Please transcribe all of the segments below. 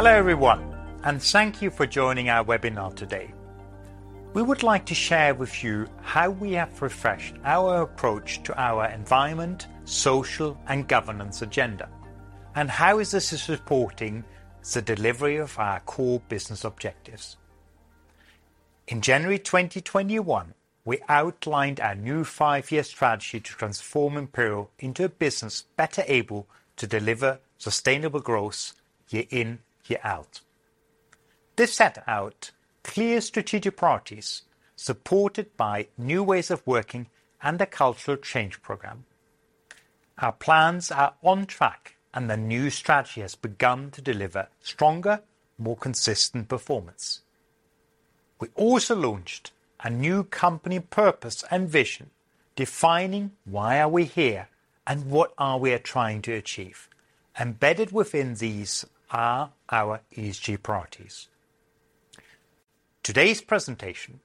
Hello, everyone, and thank you for joining our webinar today. We would like to share with you how we have refreshed our approach to our environment, social, and governance agenda and how this is supporting the delivery of our core business objectives. In January 2021, we outlined our new five-year strategy to transform Imperial into a business better able to deliver sustainable growth year in, year out. This set out clear strategic priorities supported by new ways of working and a cultural change program. Our plans are on track, and the new strategy has begun to deliver stronger, more consistent performance. We also launched a new company purpose and vision defining why are we here and what are we trying to achieve. Embedded within these are our ESG priorities. Today's presentation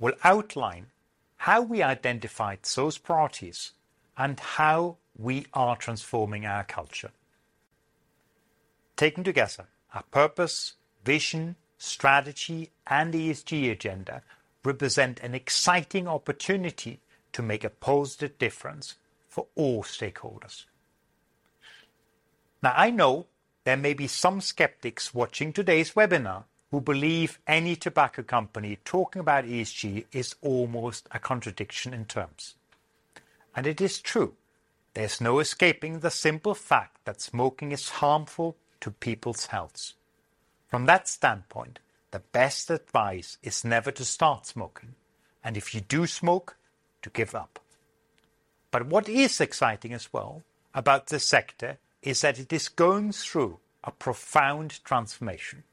will outline how we identified those priorities and how we are transforming our culture. Taken together, our purpose, vision, strategy, and ESG agenda represent an exciting opportunity to make a positive difference for all stakeholders. Now, I know there may be some skeptics watching today's webinar who believe any tobacco company talking about ESG is almost a contradiction in terms. It is true, there's no escaping the simple fact that smoking is harmful to people's health. From that standpoint, the best advice is never to start smoking, and if you do smoke, to give up. What is exciting as well about this sector is that it is going through a profound transformation.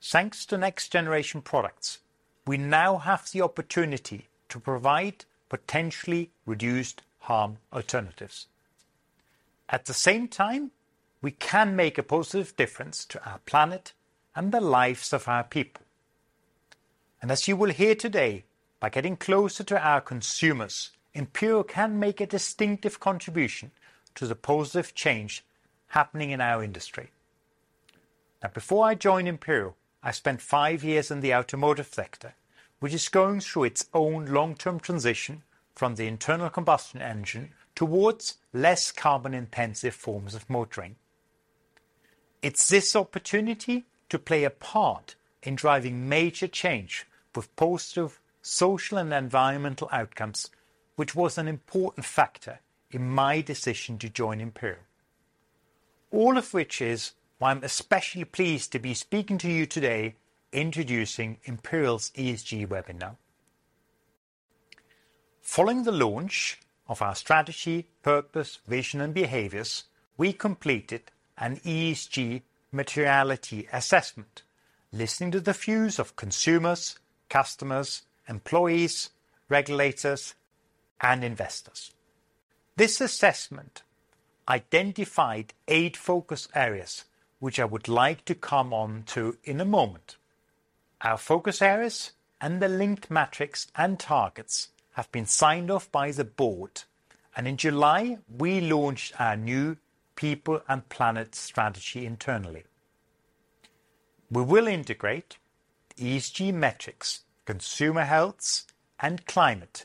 Thanks to next-generation products, we now have the opportunity to provide potentially reduced harm alternatives. At the same time, we can make a positive difference to our planet and the lives of our people. As you will hear today, by getting closer to our consumers, Imperial can make a distinctive contribution to the positive change happening in our industry. Now, before I joined Imperial, I spent five years in the automotive sector, which is going through its own long-term transition from the internal combustion engine towards less carbon-intensive forms of motoring. It's this opportunity to play a part in driving major change with positive social and environmental outcomes, which was an important factor in my decision to join Imperial. All of which is why I'm especially pleased to be speaking to you today, introducing Imperial's ESG webinar. Following the launch of our strategy, purpose, vision, and behaviors, we completed an ESG materiality assessment, listening to the views of consumers, customers, employees, regulators, and investors. This assessment identified eight focus areas, which I would like to come on to in a moment. Our focus areas and the linked metrics and targets have been signed off by the board, and in July, we launched our new people and planet strategy internally. We will integrate ESG metrics, consumer health, and climate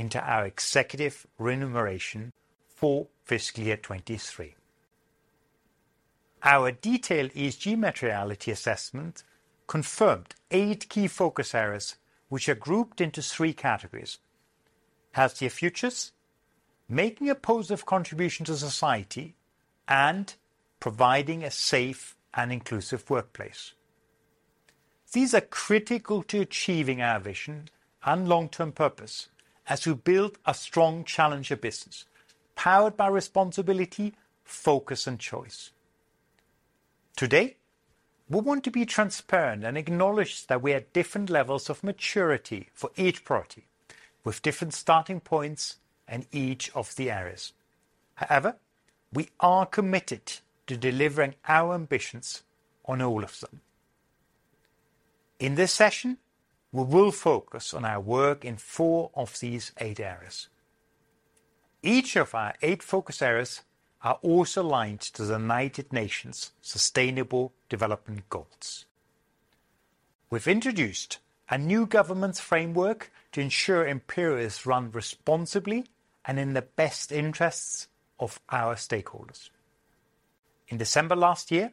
into our executive remuneration for fiscal year 2023. Our detailed ESG materiality assessment confirmed eight key focus areas, which are grouped into three categories, healthier futures, making a positive contribution to society, and providing a safe and inclusive workplace. These are critical to achieving our vision and long-term purpose as we build a strong challenger business powered by responsibility, focus, and choice. Today, we want to be transparent and acknowledge that we are at different levels of maturity for each priority, with different starting points in each of the areas. However, we are committed to delivering our ambitions on all of them. In this session, we will focus on our work in four of these eight areas. Each of our eight focus areas are also aligned to the United Nations Sustainable Development Goals. We've introduced a new governance framework to ensure Imperial is run responsibly and in the best interests of our stakeholders. In December last year,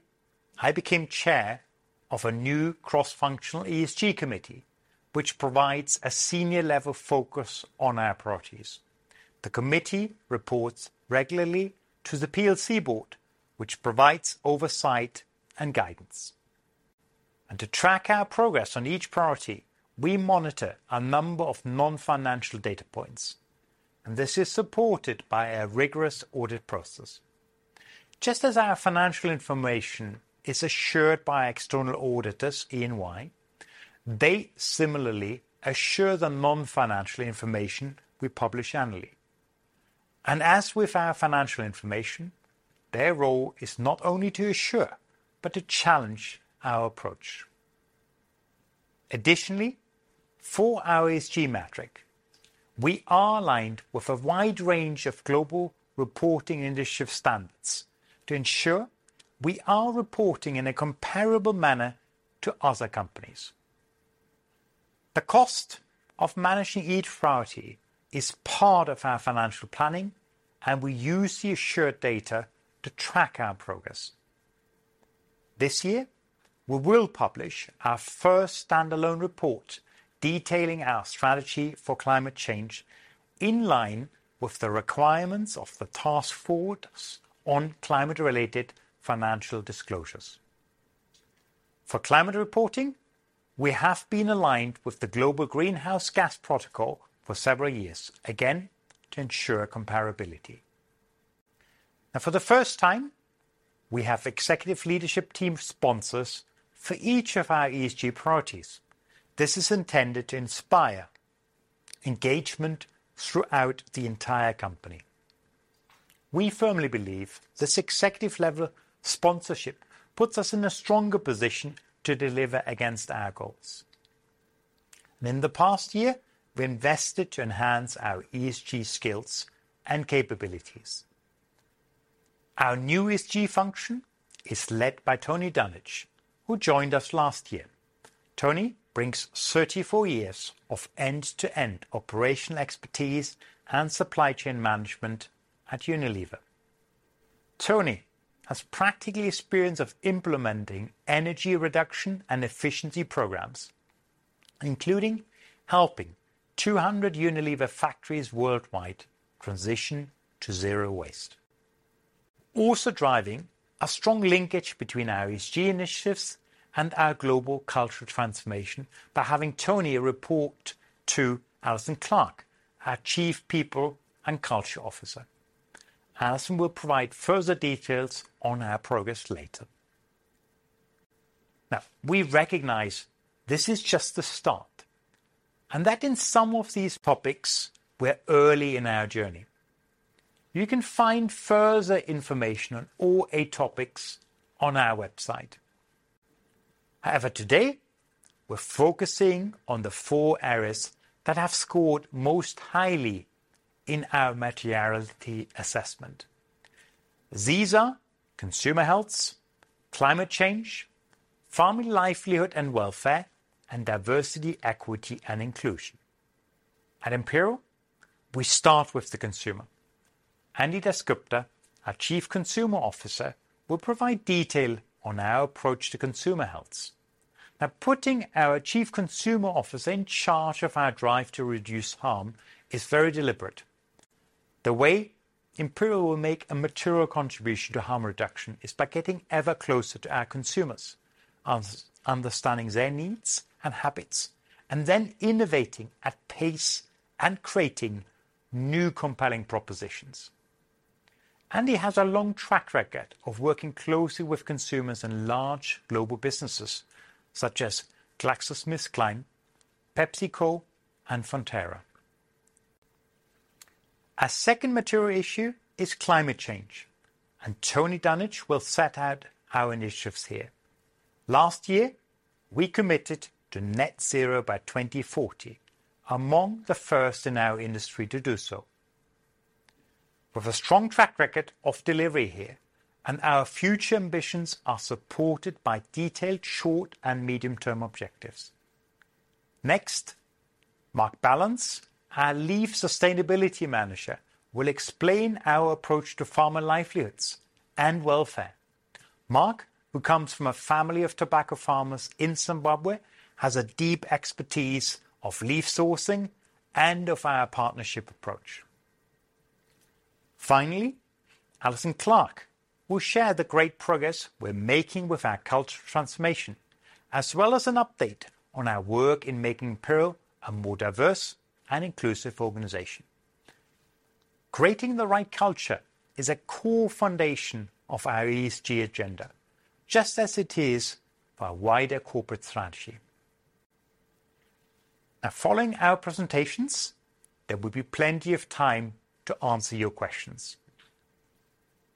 I became chair of a new cross-functional ESG committee, which provides a senior level focus on our priorities. The committee reports regularly to the PLC board, which provides oversight and guidance. To track our progress on each priority, we monitor a number of non-financial data points, and this is supported by a rigorous audit process. Just as our financial information is assured by external auditors, that's EY, they similarly assure the non-financial information we publish annually. As with our financial information, their role is not only to assure but to challenge our approach. Additionally, for our ESG metric, we are aligned with a wide range of global reporting industry standards to ensure we are reporting in a comparable manner to other companies. The cost of managing each priority is part of our financial planning, and we use the assured data to track our progress. This year, we will publish our first standalone report detailing our strategy for climate change in line with the requirements of the Task Force on Climate-related Financial Disclosures. For climate reporting, we have been aligned with the Greenhouse Gas Protocol for several years, again, to ensure comparability. Now, for the first time, we have executive leadership team sponsors for each of our ESG priorities. This is intended to inspire engagement throughout the entire company. We firmly believe this executive level sponsorship puts us in a stronger position to deliver against our goals. In the past year, we invested to enhance our ESG skills and capabilities. Our new ESG function is led by Tony Dunnage, who joined us last year. Tony brings 34 years of end-to-end operational expertise and supply chain management at Unilever. Tony has practical experience of implementing energy reduction and efficiency programs, including helping 200 Unilever factories worldwide transition to zero waste. Also driving a strong linkage between our ESG initiatives and our global cultural transformation by having Tony report to Alison Clarke, our Chief People and Culture Officer. Alison will provide further details on our progress later. Now, we recognize this is just the start, and that in some of these topics, we're early in our journey. You can find further information on all eight topics on our website. However, today, we're focusing on the four areas that have scored most highly in our materiality assessment. These are consumer health, climate change, farming livelihood and welfare, and diversity, equity, and inclusion. At Imperial, we start with the consumer. Anindya Dasgupta, our Chief Consumer Officer, will provide detail on our approach to consumer health. Now, putting our Chief Consumer Officer in charge of our drive to reduce harm is very deliberate. The way Imperial will make a material contribution to harm reduction is by getting ever closer to our consumers, understanding their needs and habits, and then innovating at pace and creating new compelling propositions. Andy has a long track record of working closely with consumers in large global businesses such as GlaxoSmithKline, PepsiCo, and Fonterra. Our second material issue is climate change, and Tony Dunnage will set out our initiatives here. Last year, we committed to net zero by 2040, among the first in our industry to do so. With a strong track record of delivery here, our future ambitions are supported by detailed short and medium-term objectives. Next, Mark Ballance, our Leaf Sustainability Manager, will explain our approach to farmer livelihoods and welfare. Mark, who comes from a family of tobacco farmers in Zimbabwe, has a deep expertise of leaf sourcing and of our partnership approach. Finally, Alison Clarke will share the great progress we're making with our culture transformation, as well as an update on our work in making Imperial a more diverse and inclusive organization. Creating the right culture is a core foundation of our ESG agenda, just as it is our wider corporate strategy. Now, following our presentations, there will be plenty of time to answer your questions.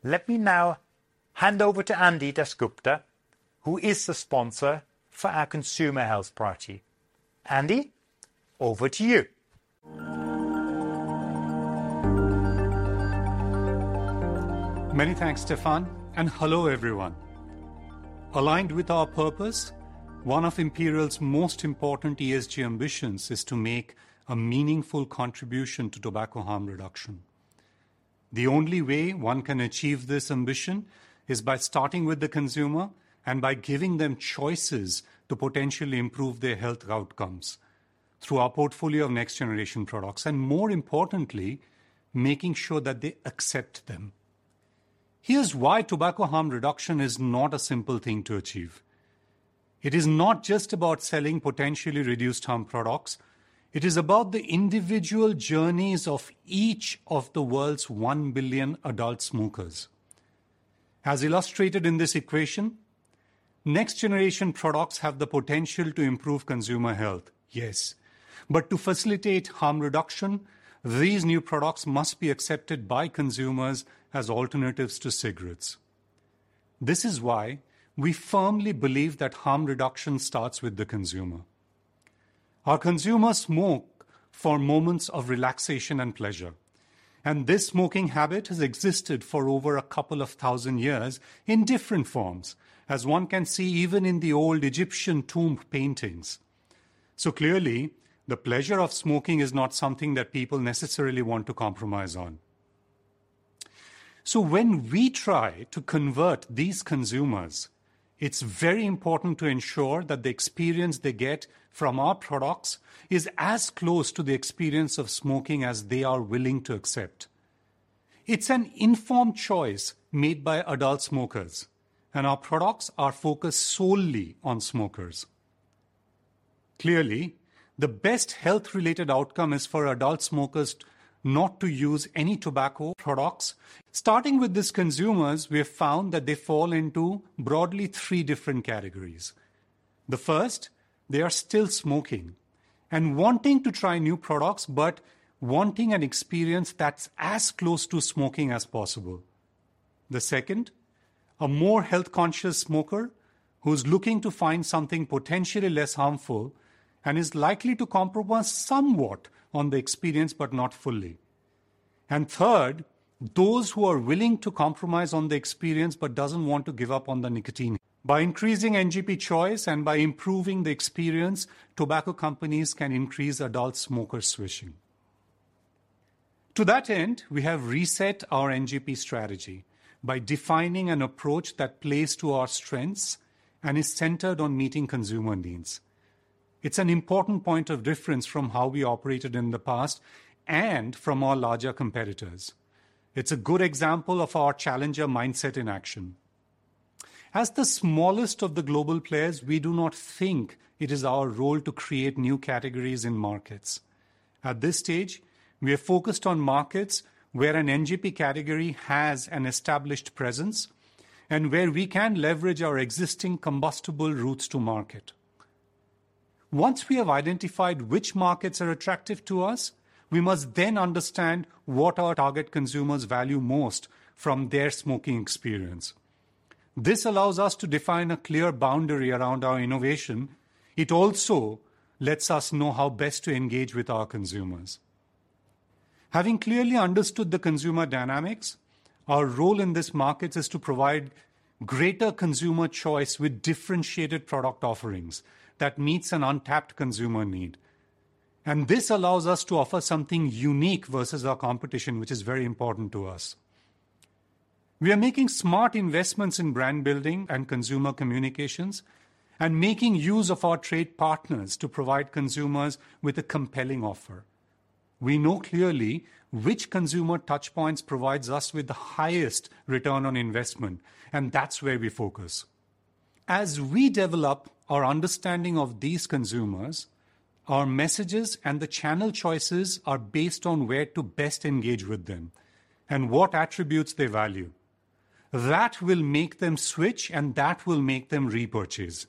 Let me now hand over to Anindya Dasgupta, who is the sponsor for our consumer health parity. Anindya, over to you. Many thanks, Stefan, and hello everyone. Aligned with our purpose, one of Imperial's most important ESG ambitions is to make a meaningful contribution to tobacco harm reduction. The only way one can achieve this ambition is by starting with the consumer and by giving them choices to potentially improve their health outcomes through our portfolio of next-generation products, and more importantly, making sure that they accept them. Here's why tobacco harm reduction is not a simple thing to achieve. It is not just about selling potentially reduced harm products. It is about the individual journeys of each of the world's 1 billion adult smokers. As illustrated in this equation, next-generation products have the potential to improve consumer health, yes. To facilitate harm reduction, these new products must be accepted by consumers as alternatives to cigarettes. This is why we firmly believe that harm reduction starts with the consumer. Our consumers smoke for moments of relaxation and pleasure. This smoking habit has existed for over a couple of thousand years in different forms, as one can see even in the old Egyptian tomb paintings. Clearly, the pleasure of smoking is not something that people necessarily want to compromise on. When we try to convert these consumers, it's very important to ensure that the experience they get from our products is as close to the experience of smoking as they are willing to accept. It's an informed choice made by adult smokers, and our products are focused solely on smokers. Clearly, the best health-related outcome is for adult smokers not to use any tobacco products. Starting with these consumers, we have found that they fall into broadly three different categories. The first, they are still smoking and wanting to try new products, but wanting an experience that's as close to smoking as possible. The second, a more health-conscious smoker who's looking to find something potentially less harmful and is likely to compromise somewhat on the experience, but not fully. Third, those who are willing to compromise on the experience but doesn't want to give up on the nicotine. By increasing NGP choice and by improving the experience, tobacco companies can increase adult smoker switching. To that end, we have reset our NGP strategy by defining an approach that plays to our strengths and is centered on meeting consumer needs. It's an important point of difference from how we operated in the past and from our larger competitors. It's a good example of our challenger mindset in action. As the smallest of the global players, we do not think it is our role to create new categories in markets. At this stage, we are focused on markets where an NGP category has an established presence and where we can leverage our existing combustible routes to market. Once we have identified which markets are attractive to us, we must then understand what our target consumers value most from their smoking experience. This allows us to define a clear boundary around our innovation. It also lets us know how best to engage with our consumers. Having clearly understood the consumer dynamics, our role in this market is to provide greater consumer choice with differentiated product offerings that meets an untapped consumer need. This allows us to offer something unique versus our competition, which is very important to us. We are making smart investments in brand building and consumer communications and making use of our trade partners to provide consumers with a compelling offer. We know clearly which consumer touchpoints provides us with the highest return on investment, and that's where we focus. As we develop our understanding of these consumers, our messages and the channel choices are based on where to best engage with them and what attributes they value. That will make them switch, and that will make them repurchase.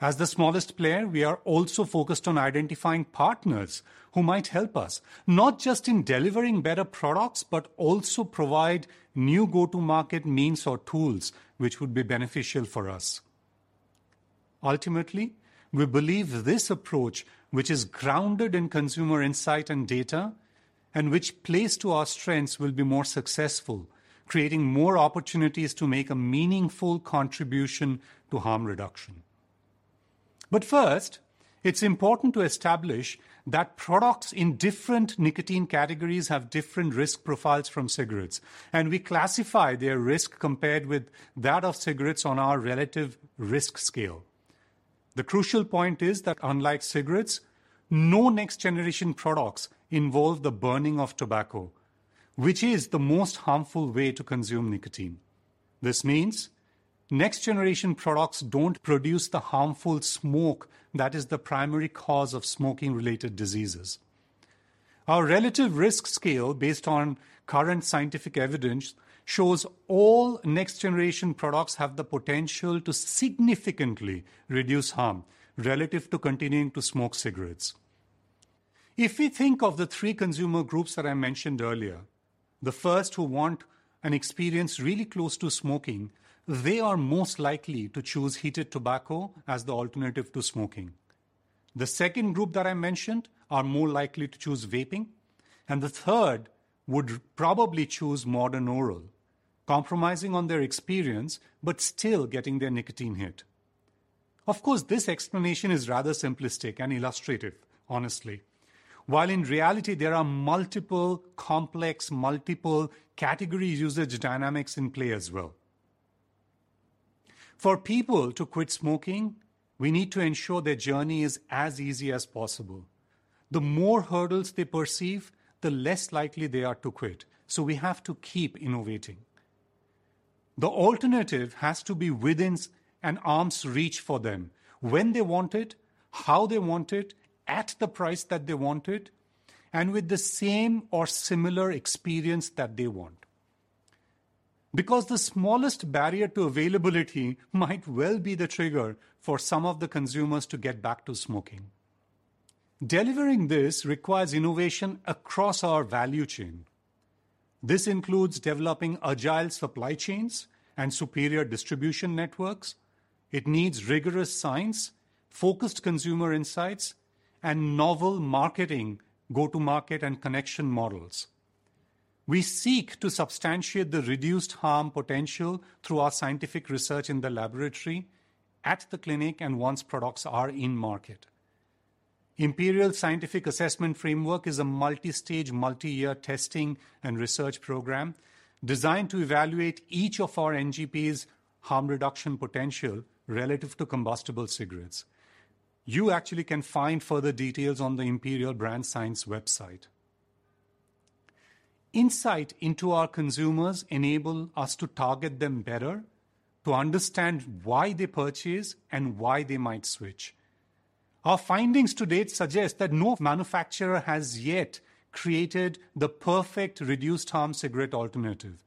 As the smallest player, we are also focused on identifying partners who might help us, not just in delivering better products, but also provide new go-to-market means or tools which would be beneficial for us. Ultimately, we believe this approach, which is grounded in consumer insight and data and which plays to our strengths, will be more successful, creating more opportunities to make a meaningful contribution to harm reduction. First, it's important to establish that products in different nicotine categories have different risk profiles from cigarettes, and we classify their risk compared with that of cigarettes on our Relative Risk Scale. The crucial point is that unlike cigarettes, no next-generation products involve the burning of tobacco, which is the most harmful way to consume nicotine. This means next-generation products don't produce the harmful smoke that is the primary cause of smoking-related diseases. Our Relative Risk Scale, based on current scientific evidence, shows all next-generation products have the potential to significantly reduce harm relative to continuing to smoke cigarettes. If we think of the three consumer groups that I mentioned earlier, the first who want an experience really close to smoking, they are most likely to choose heated tobacco as the alternative to smoking. The second group that I mentioned are more likely to choose vaping, and the third would probably choose modern oral, compromising on their experience but still getting their nicotine hit. Of course, this explanation is rather simplistic and illustrative, honestly. While in reality there are multiple complex, multiple category usage dynamics in play as well. For people to quit smoking, we need to ensure their journey is as easy as possible. The more hurdles they perceive, the less likely they are to quit. We have to keep innovating. The alternative has to be within an arm's reach for them. When they want it, how they want it, at the price that they want it, and with the same or similar experience that they want. Because the smallest barrier to availability might well be the trigger for some of the consumers to get back to smoking. Delivering this requires innovation across our value chain. This includes developing agile supply chains and superior distribution networks. It needs rigorous science, focused consumer insights, and novel marketing go-to-market and connection models. We seek to substantiate the reduced harm potential through our scientific research in the laboratory, at the clinic, and once products are in market. Imperial Scientific Assessment Framework is a multi-stage, multi-year testing and research program designed to evaluate each of our NGP's harm reduction potential relative to combustible cigarettes. You actually can find further details on the Imperial Brands Science website. Insight into our consumers enable us to target them better, to understand why they purchase, and why they might switch. Our findings to date suggest that no manufacturer has yet created the perfect reduced harm cigarette alternative.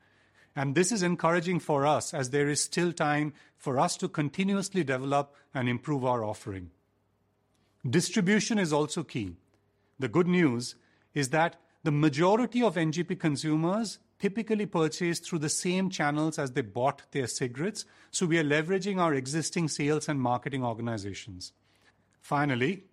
This is encouraging for us as there is still time for us to continuously develop and improve our offering. Distribution is also key. The good news is that the majority of NGP consumers typically purchase through the same channels as they bought their cigarettes, so we are leveraging our existing sales and marketing organizations. Finally,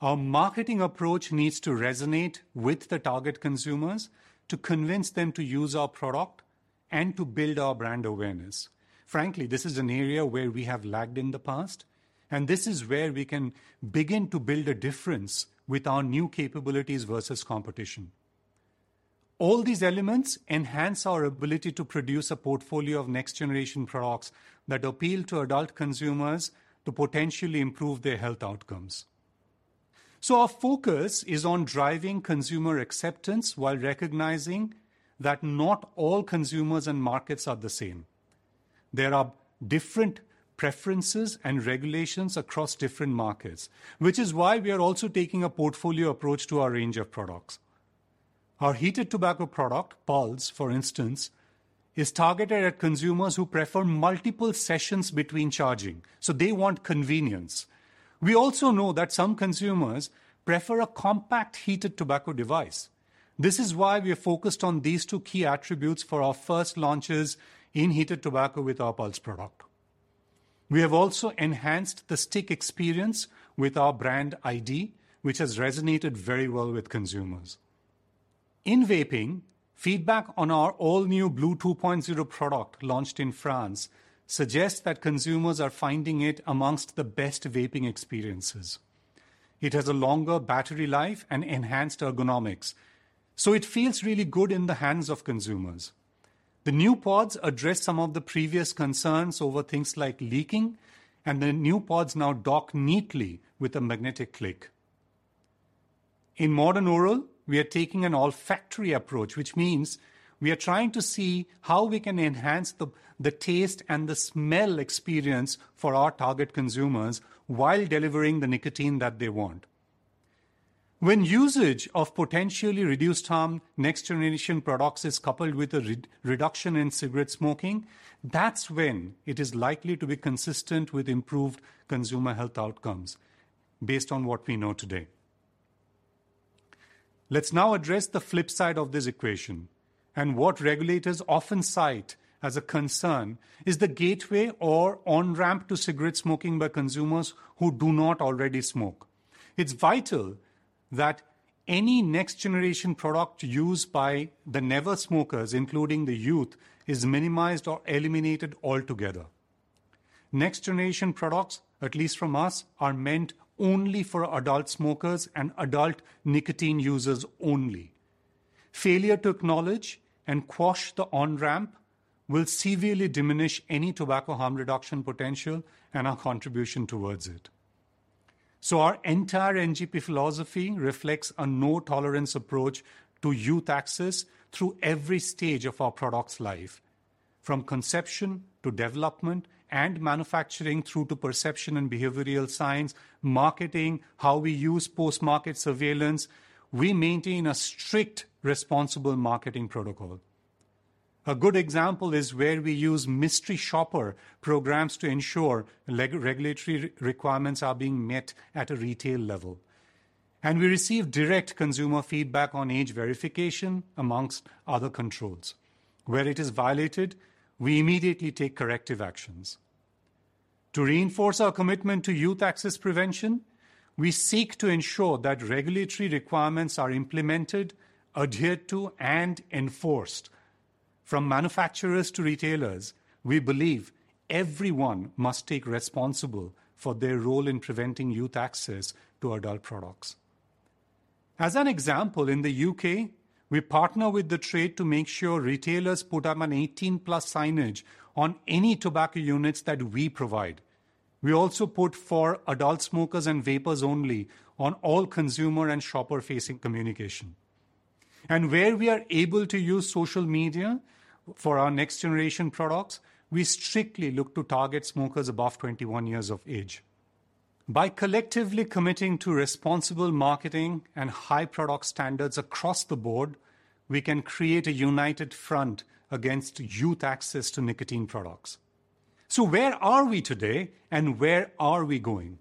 our marketing approach needs to resonate with the target consumers to convince them to use our product and to build our brand awareness. Frankly, this is an area where we have lagged in the past, and this is where we can begin to build a difference with our new capabilities versus competition. All these elements enhance our ability to produce a portfolio of next generation products that appeal to adult consumers to potentially improve their health outcomes. Our focus is on driving consumer acceptance while recognizing that not all consumers and markets are the same. There are different preferences and regulations across different markets, which is why we are also taking a portfolio approach to our range of products. Our heated tobacco product, Pulze, for instance, is targeted at consumers who prefer multiple sessions between charging, so they want convenience. We also know that some consumers prefer a compact heated tobacco device. This is why we are focused on these two key attributes for our first launches in heated tobacco with our Pulze product. We have also enhanced the stick experience with our brand iD, which has resonated very well with consumers. In vaping, feedback on our all-new blu 2.0 product launched in France suggests that consumers are finding it among the best vaping experiences. It has a longer battery life and enhanced ergonomics, so it feels really good in the hands of consumers. The new pods address some of the previous concerns over things like leaking, and the new pods now dock neatly with a magnetic click. In modern oral, we are taking an olfactory approach, which means we are trying to see how we can enhance the taste and the smell experience for our target consumers while delivering the nicotine that they want. When usage of potentially reduced harm next generation products is coupled with a reduction in cigarette smoking, that's when it is likely to be consistent with improved consumer health outcomes based on what we know today. Let's now address the flip side of this equation. What regulators often cite as a concern is the gateway or on-ramp to cigarette smoking by consumers who do not already smoke. It's vital that any next generation product used by the never smokers, including the youth, is minimized or eliminated altogether. Next generation products, at least from us, are meant only for adult smokers and adult nicotine users only. Failure to acknowledge and quash the on-ramp will severely diminish any tobacco harm reduction potential and our contribution towards it. Our entire NGP philosophy reflects a no tolerance approach to youth access through every stage of our product's life. From conception to development and manufacturing through to perception and behavioral science, marketing, how we use post-market surveillance, we maintain a strict, responsible marketing protocol. A good example is where we use mystery shopper programs to ensure legal and regulatory requirements are being met at a retail level. We receive direct consumer feedback on age verification among other controls. Where it is violated, we immediately take corrective actions. To reinforce our commitment to youth access prevention, we seek to ensure that regulatory requirements are implemented, adhered to, and enforced. From manufacturers to retailers, we believe everyone must take responsibility for their role in preventing youth access to adult products. As an example, in the U.K., we partner with the trade to make sure retailers put up 18+ signage on any tobacco units that we provide. We also put for adult smokers and vapers only on all consumer and shopper-facing communication. Where we are able to use social media for our next generation products, we strictly look to target smokers above 21 years of age. By collectively committing to responsible marketing and high product standards across the board, we can create a united front against youth access to nicotine products. Where are we today and where are we going?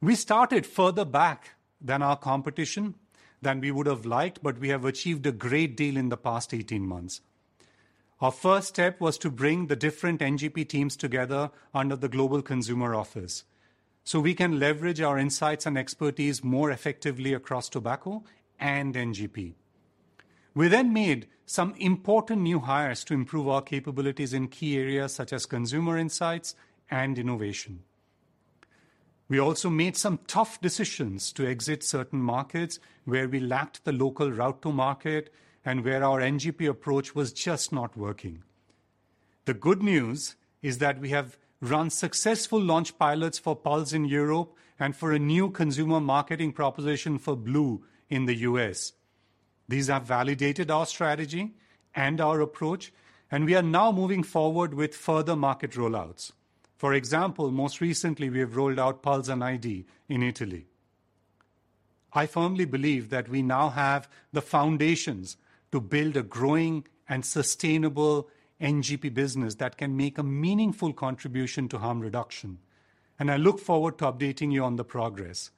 We started further back than our competition, than we would have liked, but we have achieved a great deal in the past 18 months. Our first step was to bring the different NGP teams together under the global consumer office, so we can leverage our insights and expertise more effectively across tobacco and NGP. We then made some important new hires to improve our capabilities in key areas such as consumer insights and innovation. We also made some tough decisions to exit certain markets where we lacked the local route to market and where our NGP approach was just not working. The good news is that we have run successful launch pilots for Pulze in Europe and for a new consumer marketing proposition for blu in the U.S. These have validated our strategy and our approach, and we are now moving forward with further market rollouts. For example, most recently, we have rolled out Pulze and iD in Italy. I firmly believe that we now have the foundations to build a growing and sustainable NGP business that can make a meaningful contribution to harm reduction, and I look forward to updating you on the progress.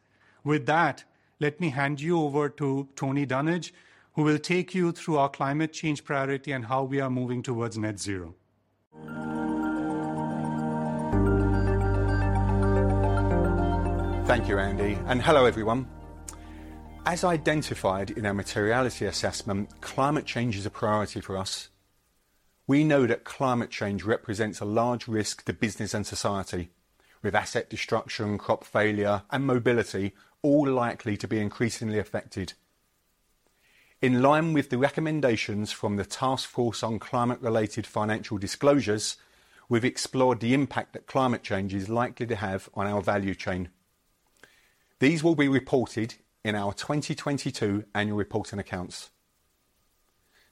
With that, let me hand you over to Tony Dunnage, who will take you through our climate change priority and how we are moving towards net zero. Thank you, Anindya, and hello, everyone. As identified in our materiality assessment, climate change is a priority for us. We know that climate change represents a large risk to business and society, with asset destruction, crop failure, and mobility all likely to be increasingly affected. In line with the recommendations from the Task Force on Climate-related Financial Disclosures, we've explored the impact that climate change is likely to have on our value chain. These will be reported in our 2022 annual report and accounts.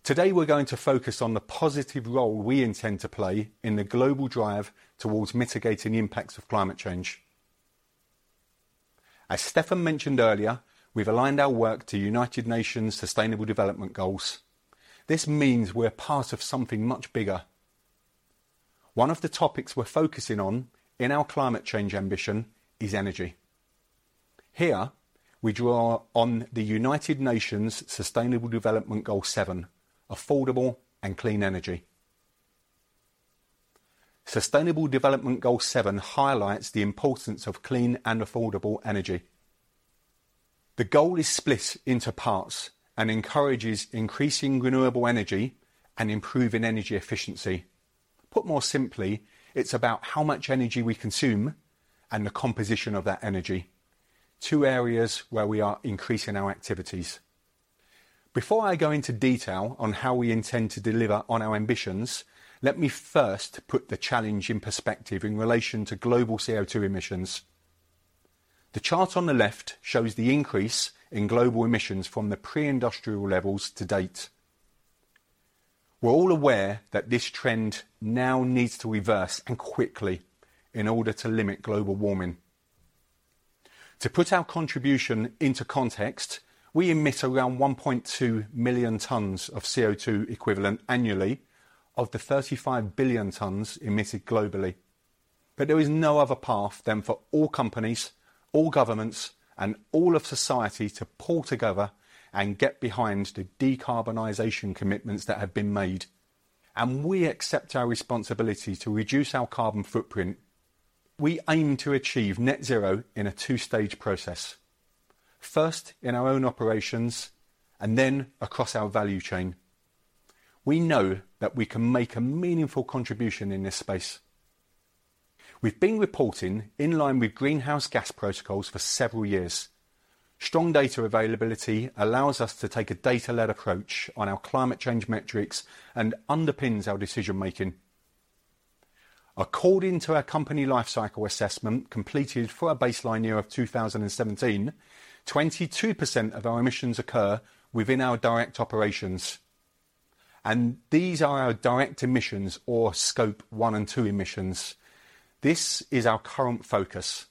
Today, we're going to focus on the positive role we intend to play in the global drive towards mitigating the impacts of climate change. As Stefan mentioned earlier, we've aligned our work to United Nations Sustainable Development Goals. This means we're part of something much bigger. One of the topics we're focusing on in our climate change ambition is energy. Here we draw on the United Nations Sustainable Development Goal 7, affordable and clean energy. Sustainable Development Goal 7 highlights the importance of clean and affordable energy. The goal is split into parts and encourages increasing renewable energy and improving energy efficiency. Put more simply, it's about how much energy we consume and the composition of that energy. Two areas where we are increasing our activities. Before I go into detail on how we intend to deliver on our ambitions, let me first put the challenge in perspective in relation to global CO2 emissions. The chart on the left shows the increase in global emissions from the pre-industrial levels to date. We're all aware that this trend now needs to reverse, and quickly, in order to limit global warming. To put our contribution into context, we emit around 1.2 million tons of CO2 equivalent annually of the 35 billion tons emitted globally. There is no other path than for all companies, all governments, and all of society to pull together and get behind the decarbonization commitments that have been made, and we accept our responsibility to reduce our carbon footprint. We aim to achieve net zero in a two-stage process. First, in our own operations, and then across our value chain. We know that we can make a meaningful contribution in this space. We've been reporting in line with Greenhouse Gas Protocol for several years. Strong data availability allows us to take a data-led approach on our climate change metrics and underpins our decision making. According to our company life cycle assessment, completed for our baseline year of 2017, 22% of our emissions occur within our direct operations, and these are our direct emissions or Scope 1 and Scope 2 emissions. This is our current focus,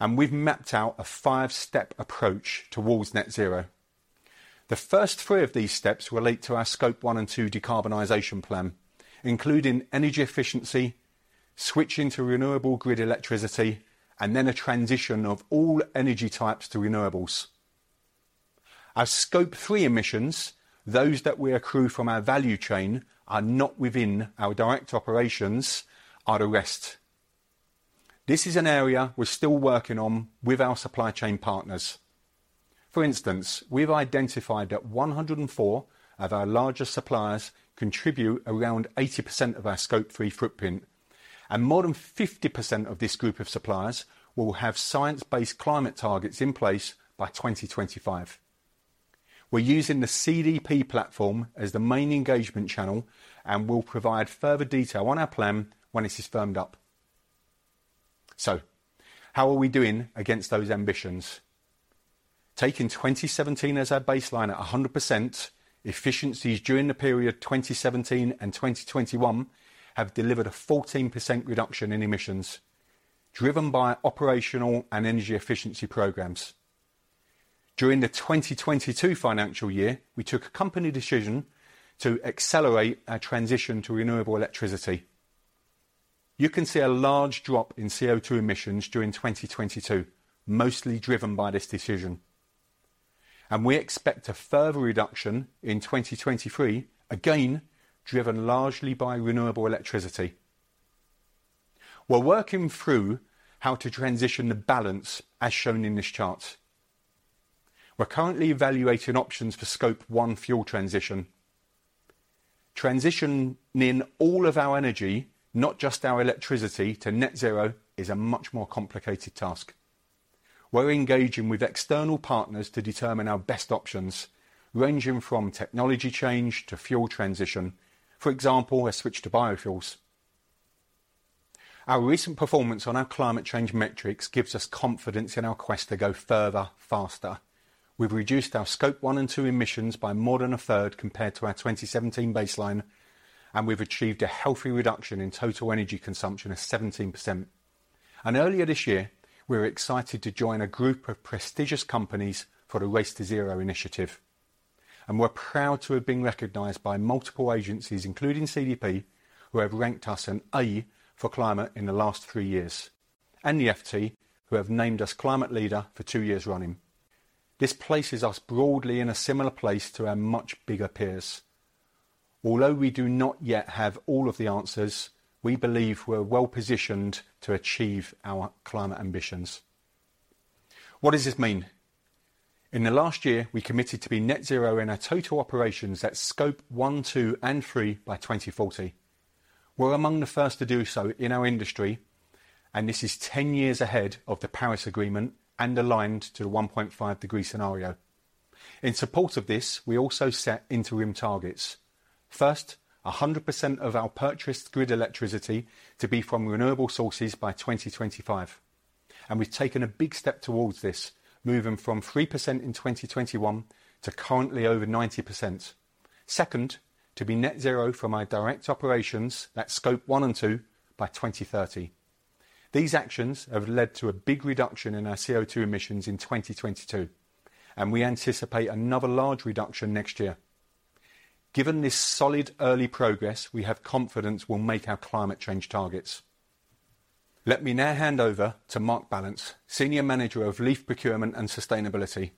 and we've mapped out a five-step approach towards net zero. The first three of these steps relate to our Scope 1 and Scope 2 decarbonization plan, including energy efficiency, switching to renewable grid electricity, and then a transition of all energy types to renewables. Our Scope 3 emissions, those that we accrue from our value chain, are not within our direct operations, are the rest. This is an area we're still working on with our supply chain partners. For instance, we've identified that 104 of our larger suppliers contribute around 80% of our Scope 3 footprint. More than 50% of this group of suppliers will have science-based climate targets in place by 2025. We're using the CDP platform as the main engagement channel, and we'll provide further detail on our plan when it is firmed up. How are we doing against those ambitions? Taking 2017 as our baseline at 100%, efficiencies during the period 2017 and 2021 have delivered a 14% reduction in emissions, driven by operational and energy efficiency programs. During the 2022 financial year, we took a company decision to accelerate our transition to renewable electricity. You can see a large drop in CO2 emissions during 2022, mostly driven by this decision. We expect a further reduction in 2023, again, driven largely by renewable electricity. We're working through how to transition the balance as shown in this chart. We're currently evaluating options for Scope 1 fuel transition. Transitioning all of our energy, not just our electricity, to net zero is a much more complicated task. We're engaging with external partners to determine our best options, ranging from technology change to fuel transition, for example, a switch to biofuels. Our recent performance on our climate change metrics gives us confidence in our quest to go further, faster. We've reduced our Scope 1 and 2 emissions by more than a 1/3 compared to our 2017 baseline, and we've achieved a healthy reduction in total energy consumption of 17%. Earlier this year, we were excited to join a group of prestigious companies for the Race to Zero initiative. We're proud to have been recognized by multiple agencies, including CDP, who have ranked us an A for climate in the last three years, and the FT, who have named us climate leader for two years running. This places us broadly in a similar place to our much bigger peers. Although we do not yet have all of the answers, we believe we're well-positioned to achieve our climate ambitions. What does this mean? In the last year, we committed to be net zero in our total operations at Scope 1, 2, and 3 by 2040. We're among the first to do so in our industry, and this is 10 years ahead of the Paris Agreement and aligned to the 1.5 degree scenario. In support of this, we also set interim targets. First, 100% of our purchased grid electricity to be from renewable sources by 2025. We've taken a big step towards this, moving from 3% in 2021 to currently over 90%. Second, to be net zero from our direct operations, that's Scope 1 and 2, by 2030. These actions have led to a big reduction in our CO2 emissions in 2022, and we anticipate another large reduction next year. Given this solid early progress, we have confidence we'll make our climate change targets. Let me now hand over to Mark Ballance, Senior Manager of Leaf Procurement and Sustainability.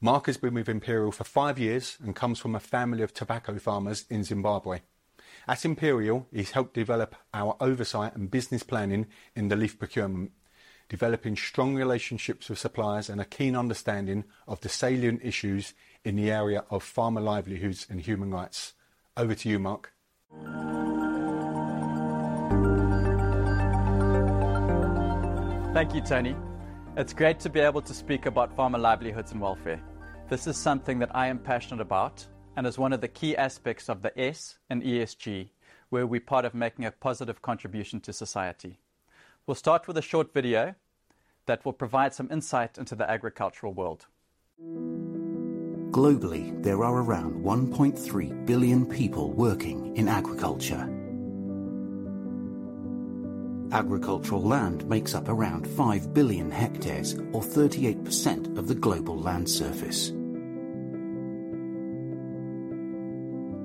Mark has been with Imperial for five years and comes from a family of tobacco farmers in Zimbabwe. At Imperial, he's helped develop our oversight and business planning in the leaf procurement, developing strong relationships with suppliers and a keen understanding of the salient issues in the area of farmer livelihoods and human rights. Over to you, Mark. Thank you, Tony. It's great to be able to speak about farmer livelihoods and welfare. This is something that I am passionate about and is one of the key aspects of the S in ESG, where we're part of making a positive contribution to society. We'll start with a short video that will provide some insight into the agricultural world. Globally, there are around 1.3 billion people working in agriculture. Agricultural land makes up around 5 billion hectares or 38% of the global land surface.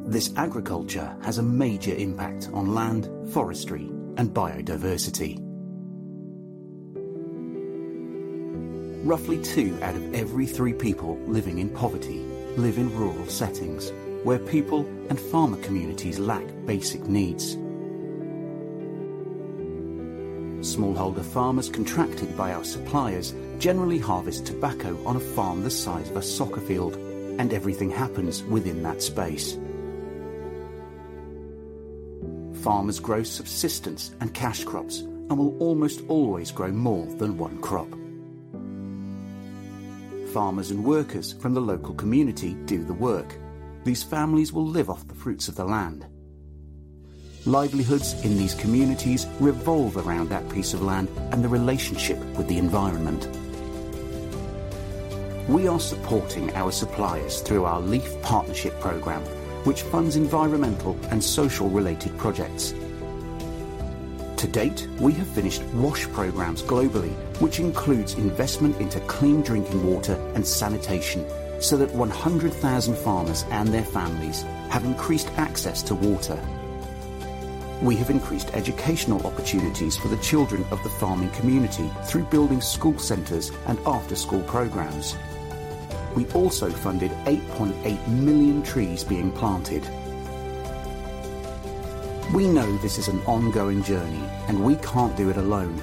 This agriculture has a major impact on land, forestry, and biodiversity. Roughly two out of every three people living in poverty live in rural settings, where people and farmer communities lack basic needs. Smallholder farmers contracted by our suppliers generally harvest tobacco on a farm the size of a soccer field, and everything happens within that space. Farmers grow subsistence and cash crops and will almost always grow more than one crop. Farmers and workers from the local community do the work. These families will live off the fruits of the land. Livelihoods in these communities revolve around that piece of land and the relationship with the environment. We are supporting our suppliers through our Leaf Partnership Programme, which funds environmental and social related projects. To date, we have finished WASH programs globally, which includes investment into clean drinking water and sanitation, so that 100,000 farmers and their families have increased access to water. We have increased educational opportunities for the children of the farming community through building school centers and after-school programs. We also funded 8.8 million trees being planted. We know this is an ongoing journey, and we can't do it alone.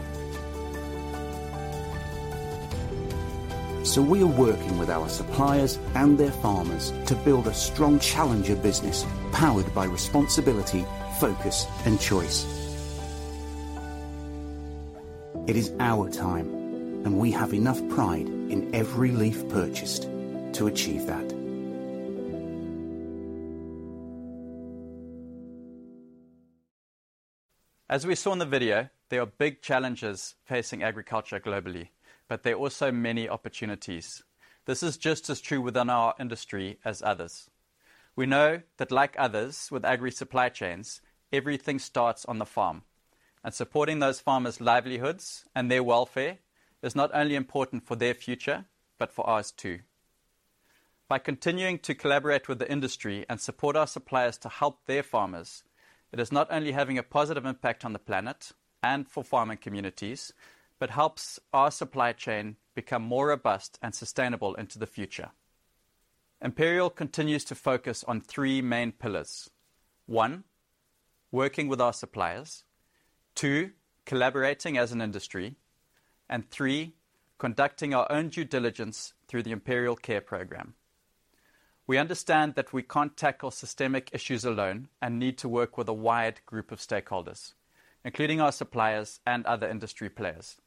We are working with our suppliers and their farmers to build a strong challenger business powered by responsibility, focus, and choice. It is our time, and we have enough pride in every leaf purchased to achieve that. As we saw in the video, there are big challenges facing agriculture globally, but there are also many opportunities. This is just as true within our industry as others. We know that like others with agri-supply chains, everything starts on the farm, and supporting those farmers' livelihoods and their welfare is not only important for their future, but for ours, too. By continuing to collaborate with the industry and support our suppliers to help their farmers, it is not only having a positive impact on the planet and for farming communities, but helps our supply chain become more robust and sustainable into the future. Imperial continues to focus on three main pillars. One, working with our suppliers. Two, collaborating as an industry. Three, conducting our own due diligence through the Imperial Care Program. We understand that we can't tackle systemic issues alone and need to work with a wide group of stakeholders, including our suppliers and other industry players.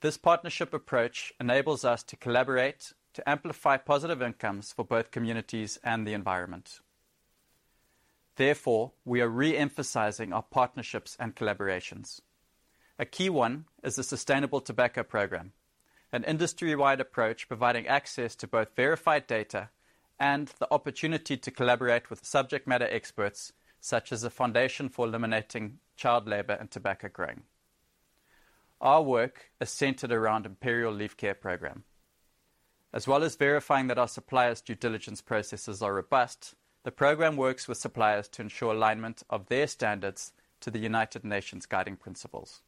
This partnership approach enables us to collaborate to amplify positive outcomes for both communities and the environment. Therefore, we are re-emphasizing our partnerships and collaborations. A key one is the Sustainable Tobacco Program, an industry-wide approach providing access to both verified data and the opportunity to collaborate with subject matter experts, such as the Eliminating Child Labor in Tobacco Growing Foundation. Our work is centered around Imperial Leaf Care Program. As well as verifying that our suppliers' due diligence processes are robust, the program works with suppliers to ensure alignment of their standards to the United Nations Guiding Principles.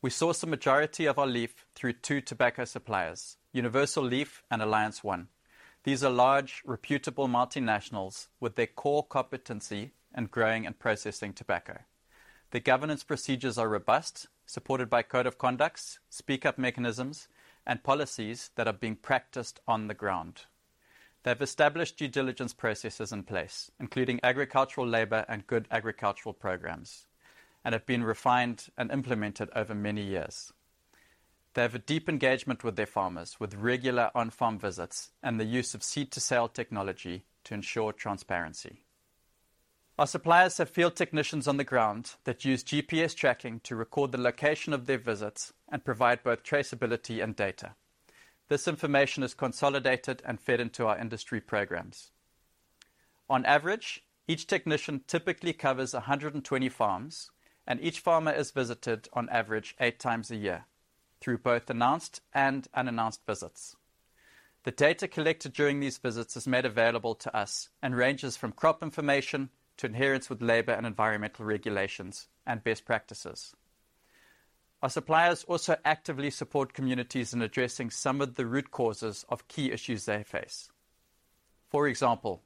We source the majority of our leaf through two tobacco suppliers, Universal Leaf and Alliance One. These are large, reputable multinationals with their core competency in growing and processing tobacco. Their governance procedures are robust, supported by codes of conduct, speak-up mechanisms, and policies that are being practiced on the ground. They have established due diligence processes in place, including agricultural labor and good agricultural programs, and have been refined and implemented over many years. They have a deep engagement with their farmers, with regular on-farm visits and the use of seed-to-sale technology to ensure transparency. Our suppliers have field technicians on the ground that use GPS tracking to record the location of their visits and provide both traceability and data. This information is consolidated and fed into our industry programs. On average, each technician typically covers 120 farms, and each farmer is visited on average eight times a year through both announced and unannounced visits. The data collected during these visits is made available to us and ranges from crop information to adherence with labor and environmental regulations and best practices. Our suppliers also actively support communities in addressing some of the root causes of key issues they face. For example,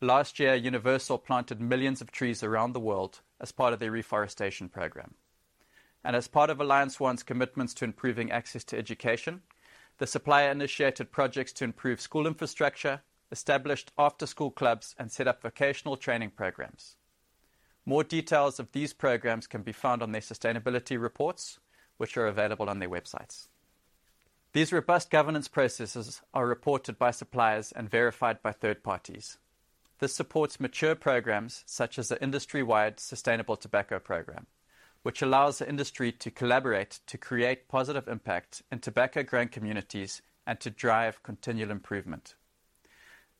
last year, Universal Leaf planted millions of trees around the world as part of their reforestation program. As part of Alliance One's commitments to improving access to education, the supplier initiated projects to improve school infrastructure, established after-school clubs, and set up vocational training programs. More details of these programs can be found on their sustainability reports, which are available on their websites. These robust governance processes are reported by suppliers and verified by third parties. This supports mature programs such as the industry-wide Sustainable Tobacco Program, which allows the industry to collaborate to create positive impact in tobacco-growing communities and to drive continual improvement.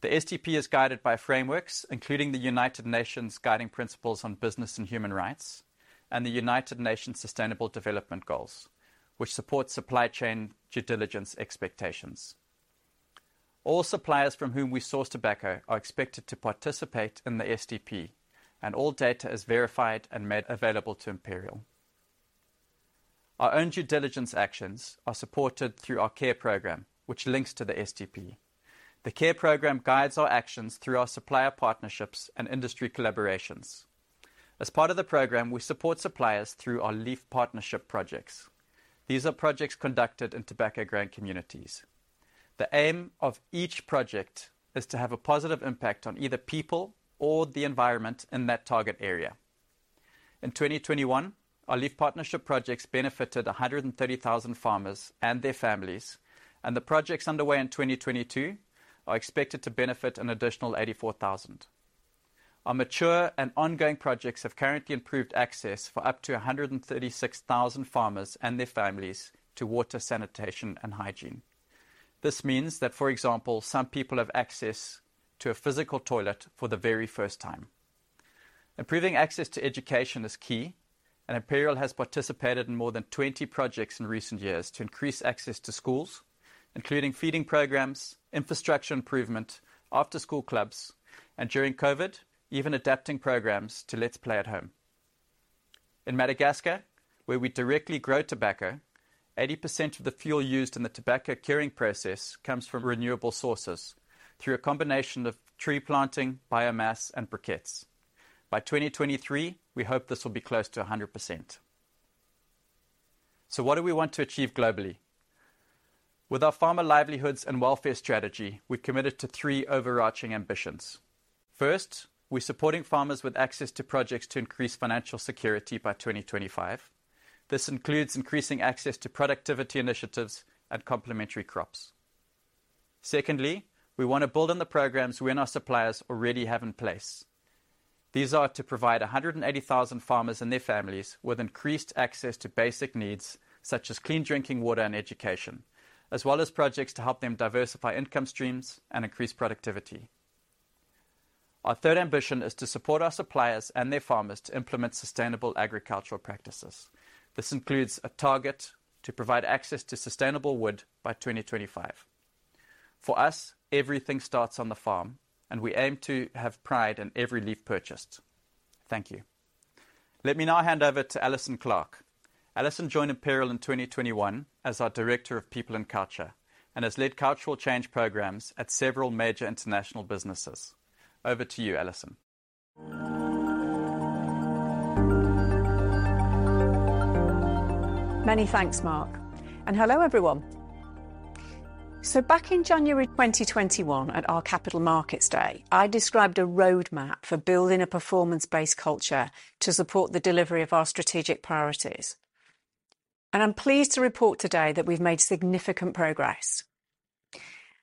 The STP is guided by frameworks including the United Nations Guiding Principles on Business and Human Rights and the United Nations Sustainable Development Goals, which support supply chain due diligence expectations. All suppliers from whom we source tobacco are expected to participate in the STP, and all data is verified and made available to Imperial. Our own due diligence actions are supported through our Care Program, which links to the STP. The Care Program guides our actions through our supplier partnerships and industry collaborations. As part of the program, we support suppliers through our Leaf Partnership projects. These are projects conducted in tobacco-growing communities. The aim of each project is to have a positive impact on either people or the environment in that target area. In 2021, our Leaf Partnership projects benefited 130,000 farmers and their families, and the projects underway in 2022 are expected to benefit an additional 84,000. Our mature and ongoing projects have currently improved access for up to 136,000 farmers and their families to water, sanitation, and hygiene. This means that, for example, some people have access to a physical toilet for the very first time. Improving access to education is key, and Imperial has participated in more than 20 projects in recent years to increase access to schools, including feeding programs, infrastructure improvement, after-school clubs, and during COVID, even adapting programs to Let's Play at Home. In Madagascar, where we directly grow tobacco, 80% of the fuel used in the tobacco curing process comes from renewable sources through a combination of tree planting, biomass, and briquettes. By 2023, we hope this will be close to 100%. What do we want to achieve globally? With our Farmer Livelihoods and Welfare strategy, we've committed to three overarching ambitions. First, we're supporting farmers with access to projects to increase financial security by 2025. This includes increasing access to productivity initiatives and complementary crops. Secondly, we want to build on the programs we and our suppliers already have in place. These are to provide 180,000 farmers and their families with increased access to basic needs such as clean drinking water and education, as well as projects to help them diversify income streams and increase productivity. Our third ambition is to support our suppliers and their farmers to implement sustainable agricultural practices. This includes a target to provide access to sustainable wood by 2025. For us, everything starts on the farm, and we aim to have pride in every leaf purchased. Thank you. Let me now hand over to Alison Clarke. Alison joined Imperial in 2021 as our Director of People and Culture and has led cultural change programs at several major international businesses. Over to you, Alison. Many thanks, Mark. Hello, everyone. Back in January 2021 at our Capital Markets Day, I described a roadmap for building a performance-based culture to support the delivery of our strategic priorities. I'm pleased to report today that we've made significant progress.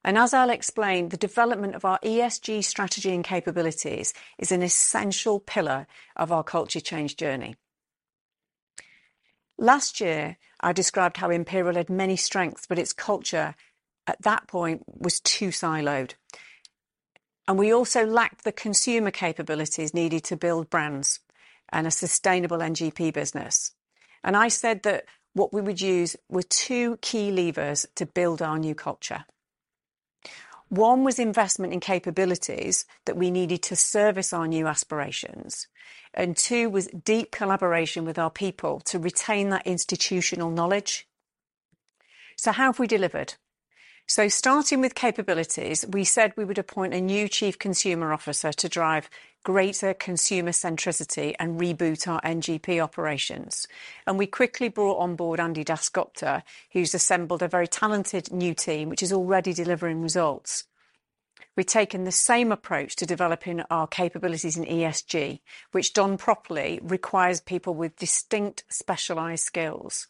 As I'll explain, the development of our ESG strategy and capabilities is an essential pillar of our culture change journey. Last year, I described how Imperial had many strengths, but its culture at that point was too siloed. We also lacked the consumer capabilities needed to build brands and a sustainable NGP business. I said that what we would use were two key levers to build our new culture. One was investment in capabilities that we needed to service our new aspirations, and two was deep collaboration with our people to retain that institutional knowledge. How have we delivered? Starting with capabilities, we said we would appoint a new chief consumer officer to drive greater consumer centricity and reboot our NGP operations. We quickly brought on board Anindya Dasgupta, who's assembled a very talented new team, which is already delivering results. We've taken the same approach to developing our capabilities in ESG, which done properly requires people with distinct specialized skills.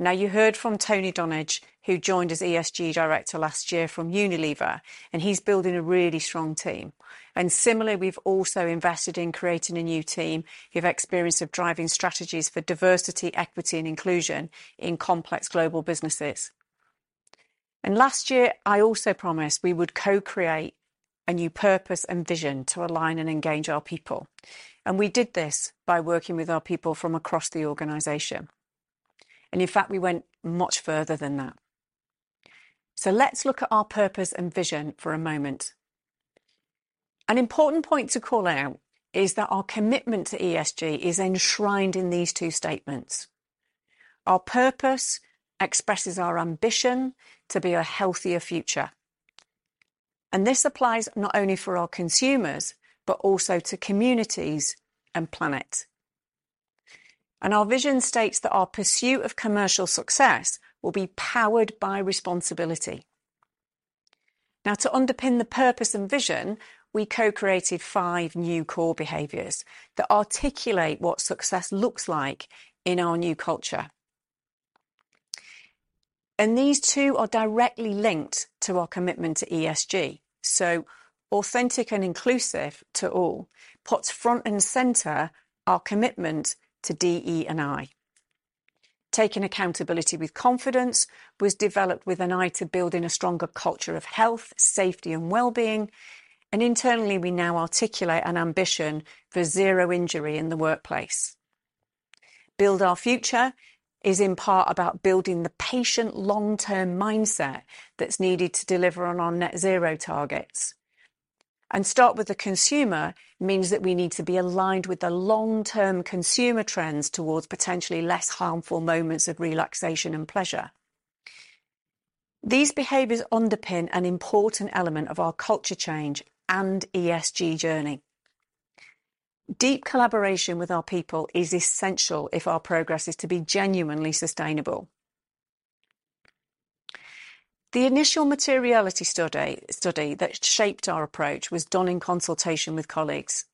Now, you heard from Tony Dunnage, who joined as ESG director last year from Unilever, and he's building a really strong team. Similarly, we've also invested in creating a new team who have experience of driving strategies for diversity, equity, and inclusion in complex global businesses. Last year, I also promised we would co-create a new purpose and vision to align and engage our people. We did this by working with our people from across the organization. In fact, we went much further than that. Let's look at our purpose and vision for a moment. An important point to call out is that our commitment to ESG is enshrined in these two statements. Our purpose expresses our ambition to be a healthier future. This applies not only for our consumers, but also to communities and planet. Our vision states that our pursuit of commercial success will be powered by responsibility. Now, to underpin the purpose and vision, we co-created five new core behaviors that articulate what success looks like in our new culture. These two are directly linked to our commitment to ESG. Authentic and inclusive to all puts front and center our commitment to DE&I. Taking accountability with confidence was developed with an eye to building a stronger culture of health, safety, and well-being. Internally, we now articulate an ambition for zero injury in the workplace. Build our future is in part about building the patient long-term mindset that's needed to deliver on our net zero targets. Start with the consumer means that we need to be aligned with the long-term consumer trends towards potentially less harmful moments of relaxation and pleasure. These behaviors underpin an important element of our culture change and ESG journey. Deep collaboration with our people is essential if our progress is to be genuinely sustainable. The initial materiality study that shaped our approach was done in consultation with colleagues.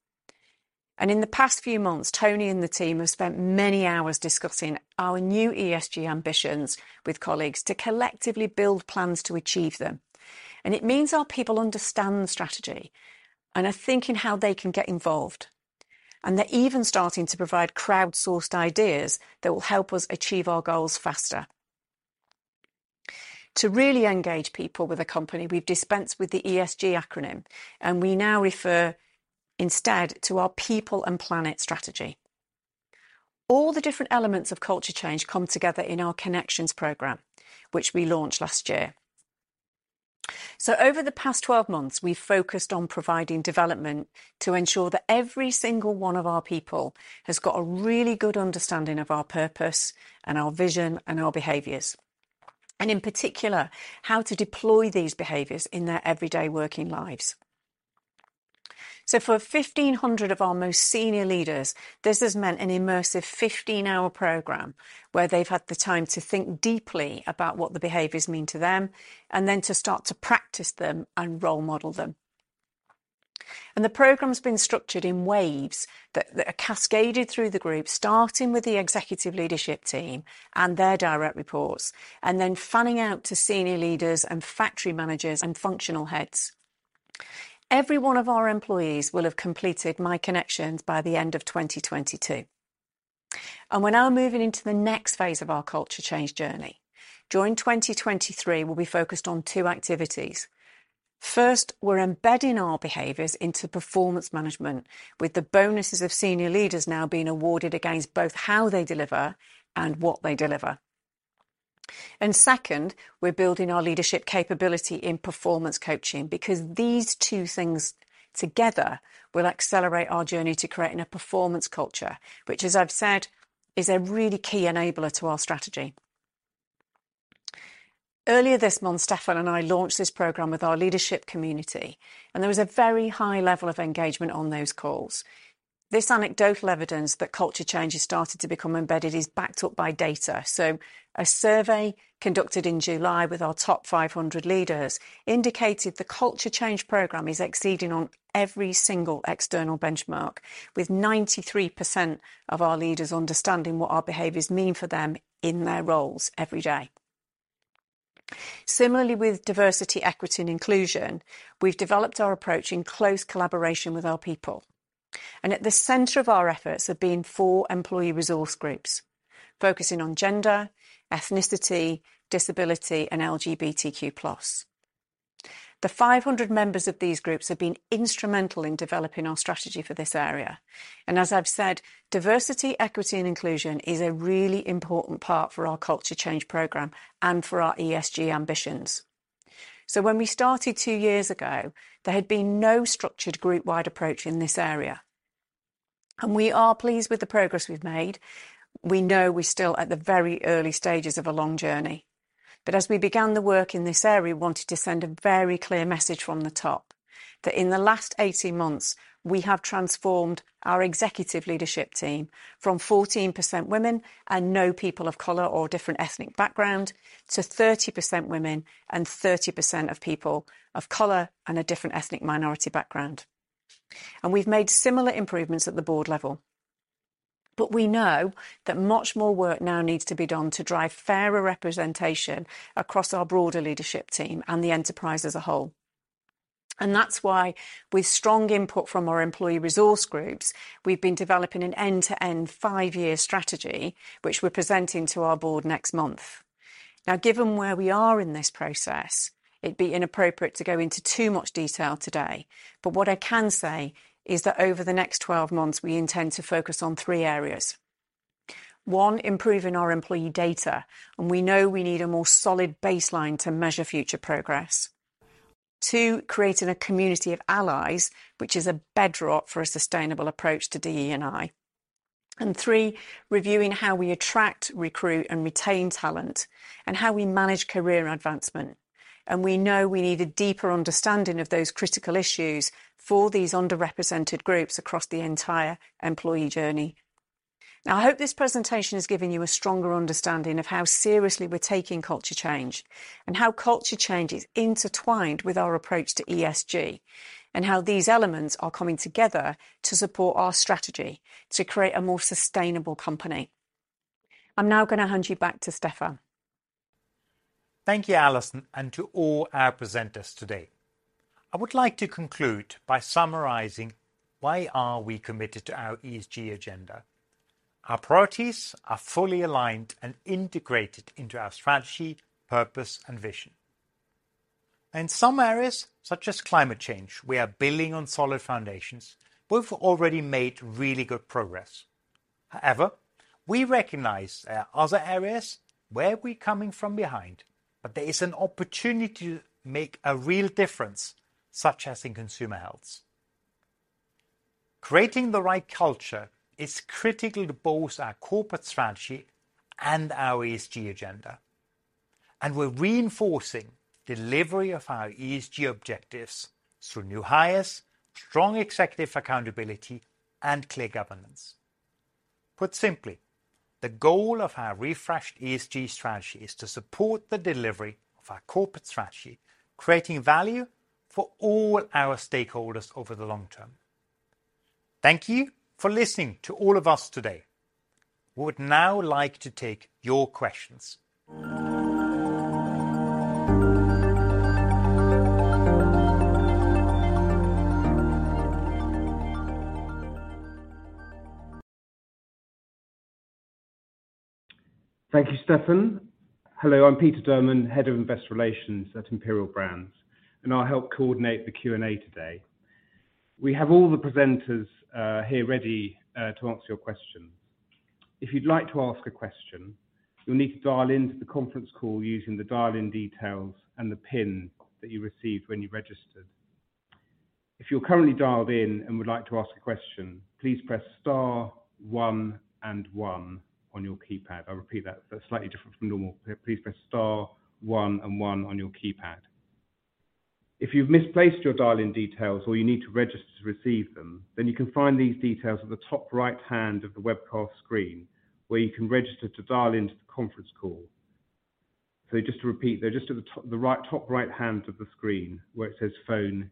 In the past few months, Tony and the team have spent many hours discussing our new ESG ambitions with colleagues to collectively build plans to achieve them. It means our people understand the strategy and are thinking how they can get involved. They're even starting to provide crowdsourced ideas that will help us achieve our goals faster. To really engage people with the company, we've dispensed with the ESG acronym, and we now refer instead to our people and planet strategy. All the different elements of culture change come together in our Connections program, which we launched last year. Over the past 12 months, we've focused on providing development to ensure that every single one of our people has got a really good understanding of our purpose and our vision and our behaviors, and in particular, how to deploy these behaviors in their everyday working lives. For 1,500 of our most senior leaders, this has meant an immersive 15-hour program where they've had the time to think deeply about what the behaviors mean to them and then to start to practice them and role model them. The program has been structured in waves that are cascaded through the group, starting with the executive leadership team and their direct reports, and then fanning out to senior leaders and factory managers and functional heads. Every one of our employees will have completed My Connections by the end of 2022. We're now moving into the next phase of our culture change journey. During 2023, we'll be focused on two activities. First, we're embedding our behaviors into performance management, with the bonuses of senior leaders now being awarded against both how they deliver and what they deliver. Second, we're building our leadership capability in performance coaching because these two things together will accelerate our journey to creating a performance culture, which as I've said, is a really key enabler to our strategy. Earlier this month, Stefan and I launched this program with our leadership community, and there was a very high level of engagement on those calls. This anecdotal evidence that culture change has started to become embedded is backed up by data. A survey conducted in July with our top 500 leaders indicated the culture change program is exceeding on every single external benchmark, with 93% of our leaders understanding what our behaviors mean for them in their roles every day. Similarly, with diversity, equity, and inclusion, we've developed our approach in close collaboration with our people. At the center of our efforts have been four employee resource groups focusing on gender, ethnicity, disability, and LGBTQ+. The 500 members of these groups have been instrumental in developing our strategy for this area. And as I've said, diversity, equity, and inclusion is a really important part for our culture change program and for our ESG ambitions. when we started two years ago, there had been no structured group-wide approach in this area. we are pleased with the progress we've made. We know we're still at the very early stages of a long journey. As we began the work in this area, we wanted to send a very clear message from the top that in the last 18 months, we have transformed our executive leadership team from 14% women and no people of color or different ethnic background to 30% women and 30% of people of color and a different ethnic minority background. And we've made similar improvements at the board level. We know that much more work now needs to be done to drive fairer representation across our broader leadership team and the enterprise as a whole. That's why with strong input from our employee resource groups, we've been developing an end-to-end 5-year strategy, which we're presenting to our board next month. Now, given where we are in this process, it'd be inappropriate to go into too much detail today. What I can say is that over the next 12 months, we intend to focus on three areas. One, improving our employee data, and we know we need a more solid baseline to measure future progress. Two, creating a community of allies, which is a bedrock for a sustainable approach to DE&I. Three, reviewing how we attract, recruit, and retain talent, and how we manage career advancement. We know we need a deeper understanding of those critical issues for these underrepresented groups across the entire employee journey. Now, I hope this presentation has given you a stronger understanding of how seriously we're taking culture change and how culture change is intertwined with our approach to ESG, and how these elements are coming together to support our strategy to create a more sustainable company. I'm now gonna hand you back to Stefan. Thank you, Alison, and to all our presenters today. I would like to conclude by summarizing why are we committed to our ESG agenda. Our priorities are fully aligned and integrated into our strategy, purpose, and vision. In some areas, such as climate change, we are building on solid foundations. We've already made really good progress. However, we recognize there are other areas where we're coming from behind, but there is an opportunity to make a real difference, such as in consumer health. Creating the right culture is critical to both our corporate strategy and our ESG agenda, and we're reinforcing delivery of our ESG objectives through new hires, strong executive accountability, and clear governance. Put simply, the goal of our refreshed ESG strategy is to support the delivery of our corporate strategy, creating value for all our stakeholders over the long term. Thank you for listening to all of us today. We would now like to take your questions. Thank you, Stefan. Hello, I'm Peter Durman, Head of Investor Relations at Imperial Brands, and I'll help coordinate the Q&A today. We have all the presenters here ready to answer your questions. If you'd like to ask a question, you'll need to dial into the conference call using the dial-in details and the pin that you received when you registered. If you're currently dialed in and would like to ask a question, please press star one and one on your keypad. I'll repeat that. Slightly different from normal. Please press star one and one on your keypad. If you've misplaced your dial-in details or you need to register to receive them, then you can find these details at the top right hand of the webcast screen, where you can register to dial into the conference call. Just to repeat, they're just at the top, the right, top right hand of the screen where it says phone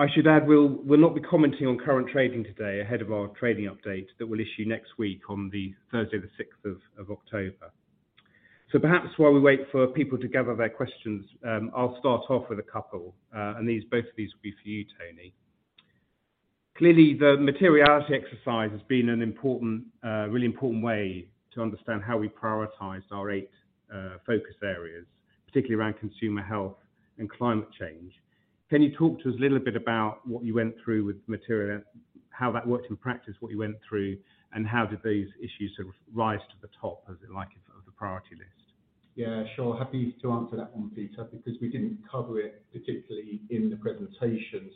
details. I should add we'll not be commenting on current trading today ahead of our trading update that we'll issue next week on the Thursday, the 6th of October. Perhaps while we wait for people to gather their questions, I'll start off with a couple. These, both of these will be for you, Tony. Clearly, the materiality exercise has been an important, really important way to understand how we prioritize our eight focus areas, particularly around consumer health and climate change. Can you talk to us a little bit about what you went through with materiality, how that worked in practice, what you went through, and how did these issues sort of rise to the top, as it like, of the priority list? Yeah, sure. Happy to answer that one, Peter, because we didn't cover it particularly in the presentation.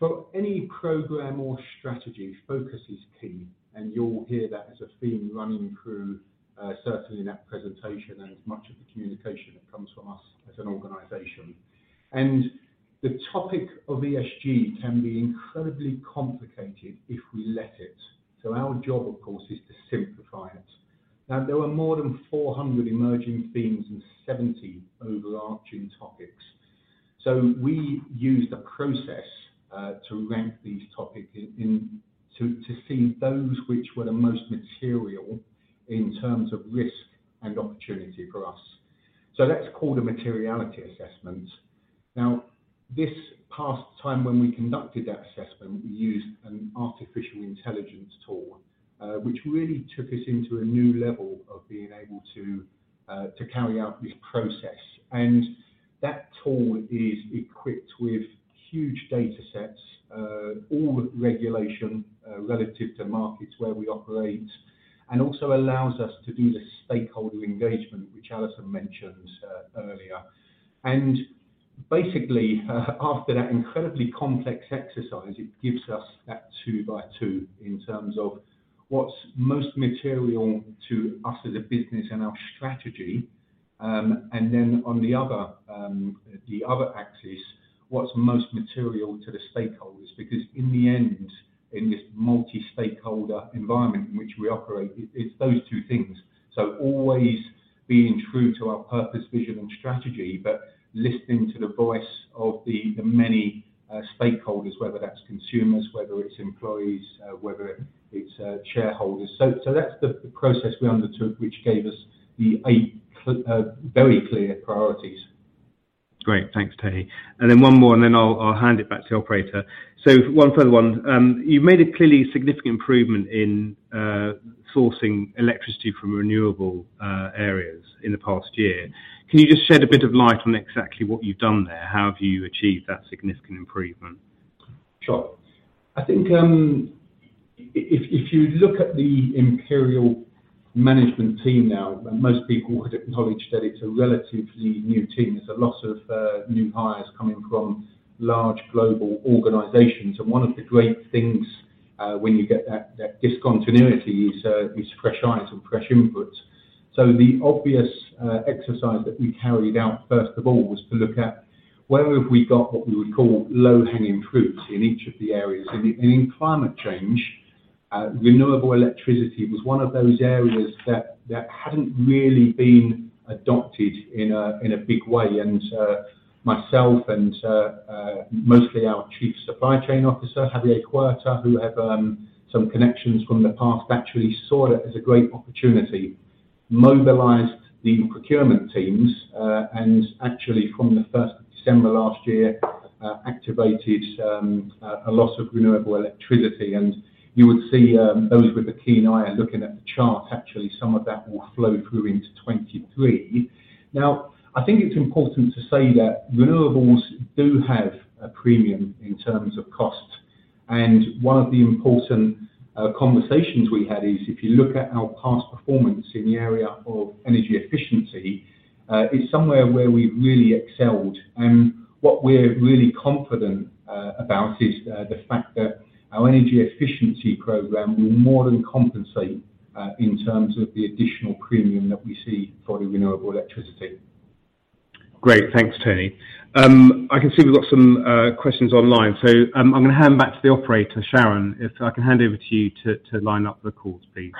For any program or strategy, focus is key, and you'll hear that as a theme running through, certainly in that presentation and as much of the communication that comes from us as an organization. The topic of ESG can be incredibly complicated if we let it. Our job, of course, is to simplify it. Now, there were more than 400 emerging themes and 70 overarching topics. We used a process to rank these topics to see those which were the most material in terms of risk and opportunity for us. That's called a materiality assessment. Now, this past time when we conducted that assessment, we used an artificial intelligence tool, which really took us into a new level of being able to carry out this process. That tool is equipped with huge data sets, all regulations, relative to markets where we operate, and also allows us to do the stakeholder engagement, which Alison mentioned earlier. Basically, after that incredibly complex exercise, it gives us that two-by-two in terms of what's most material to us as a business and our strategy. Then on the other axis, what's most material to the stakeholders. Because in the end, in this multi-stakeholder environment in which we operate, it's those two things. Always being true to our purpose, vision, and strategy, but listening to the voice of the many stakeholders, whether that's consumers, whether it's employees, whether it's shareholders. That's the process we undertook, which gave us the eight very clear priorities. Great. Thanks, Tony. One more, and then I'll hand it back to the operator. One further one. You've made a clearly significant improvement in sourcing electricity from renewable areas in the past year. Can you just shed a bit of light on exactly what you've done there? How have you achieved that significant improvement? Sure. I think, if you look at the Imperial management team now, most people would acknowledge that it's a relatively new team. There's a lot of new hires coming from large global organizations. One of the great things when you get that discontinuity is fresh eyes and fresh inputs. The obvious exercise that we carried out first of all was to look at where have we got what we would call low-hanging fruits in each of the areas. In climate change, renewable electricity was one of those areas that hadn't really been adopted in a big way. Myself and mostly our Chief Supply Chain Officer, Javier Huerta, who have some connections from the past, actually saw it as a great opportunity, mobilized the procurement teams, and actually from the first of December last year, activated a lot of renewable electricity. You would see those with a keen eye looking at the chart, actually some of that will flow through into 2023. Now, I think it's important to say that renewables do have a premium in terms of cost. One of the important conversations we had is if you look at our past performance in the area of energy efficiency, it's somewhere where we've really excelled. What we're really confident about is the fact that our energy efficiency program will more than compensate in terms of the additional premium that we see for the renewable electricity. Great. Thanks, Tony. I can see we've got some questions online, so I'm gonna hand back to the operator. Sharon, if I can hand over to you to line up the calls, please.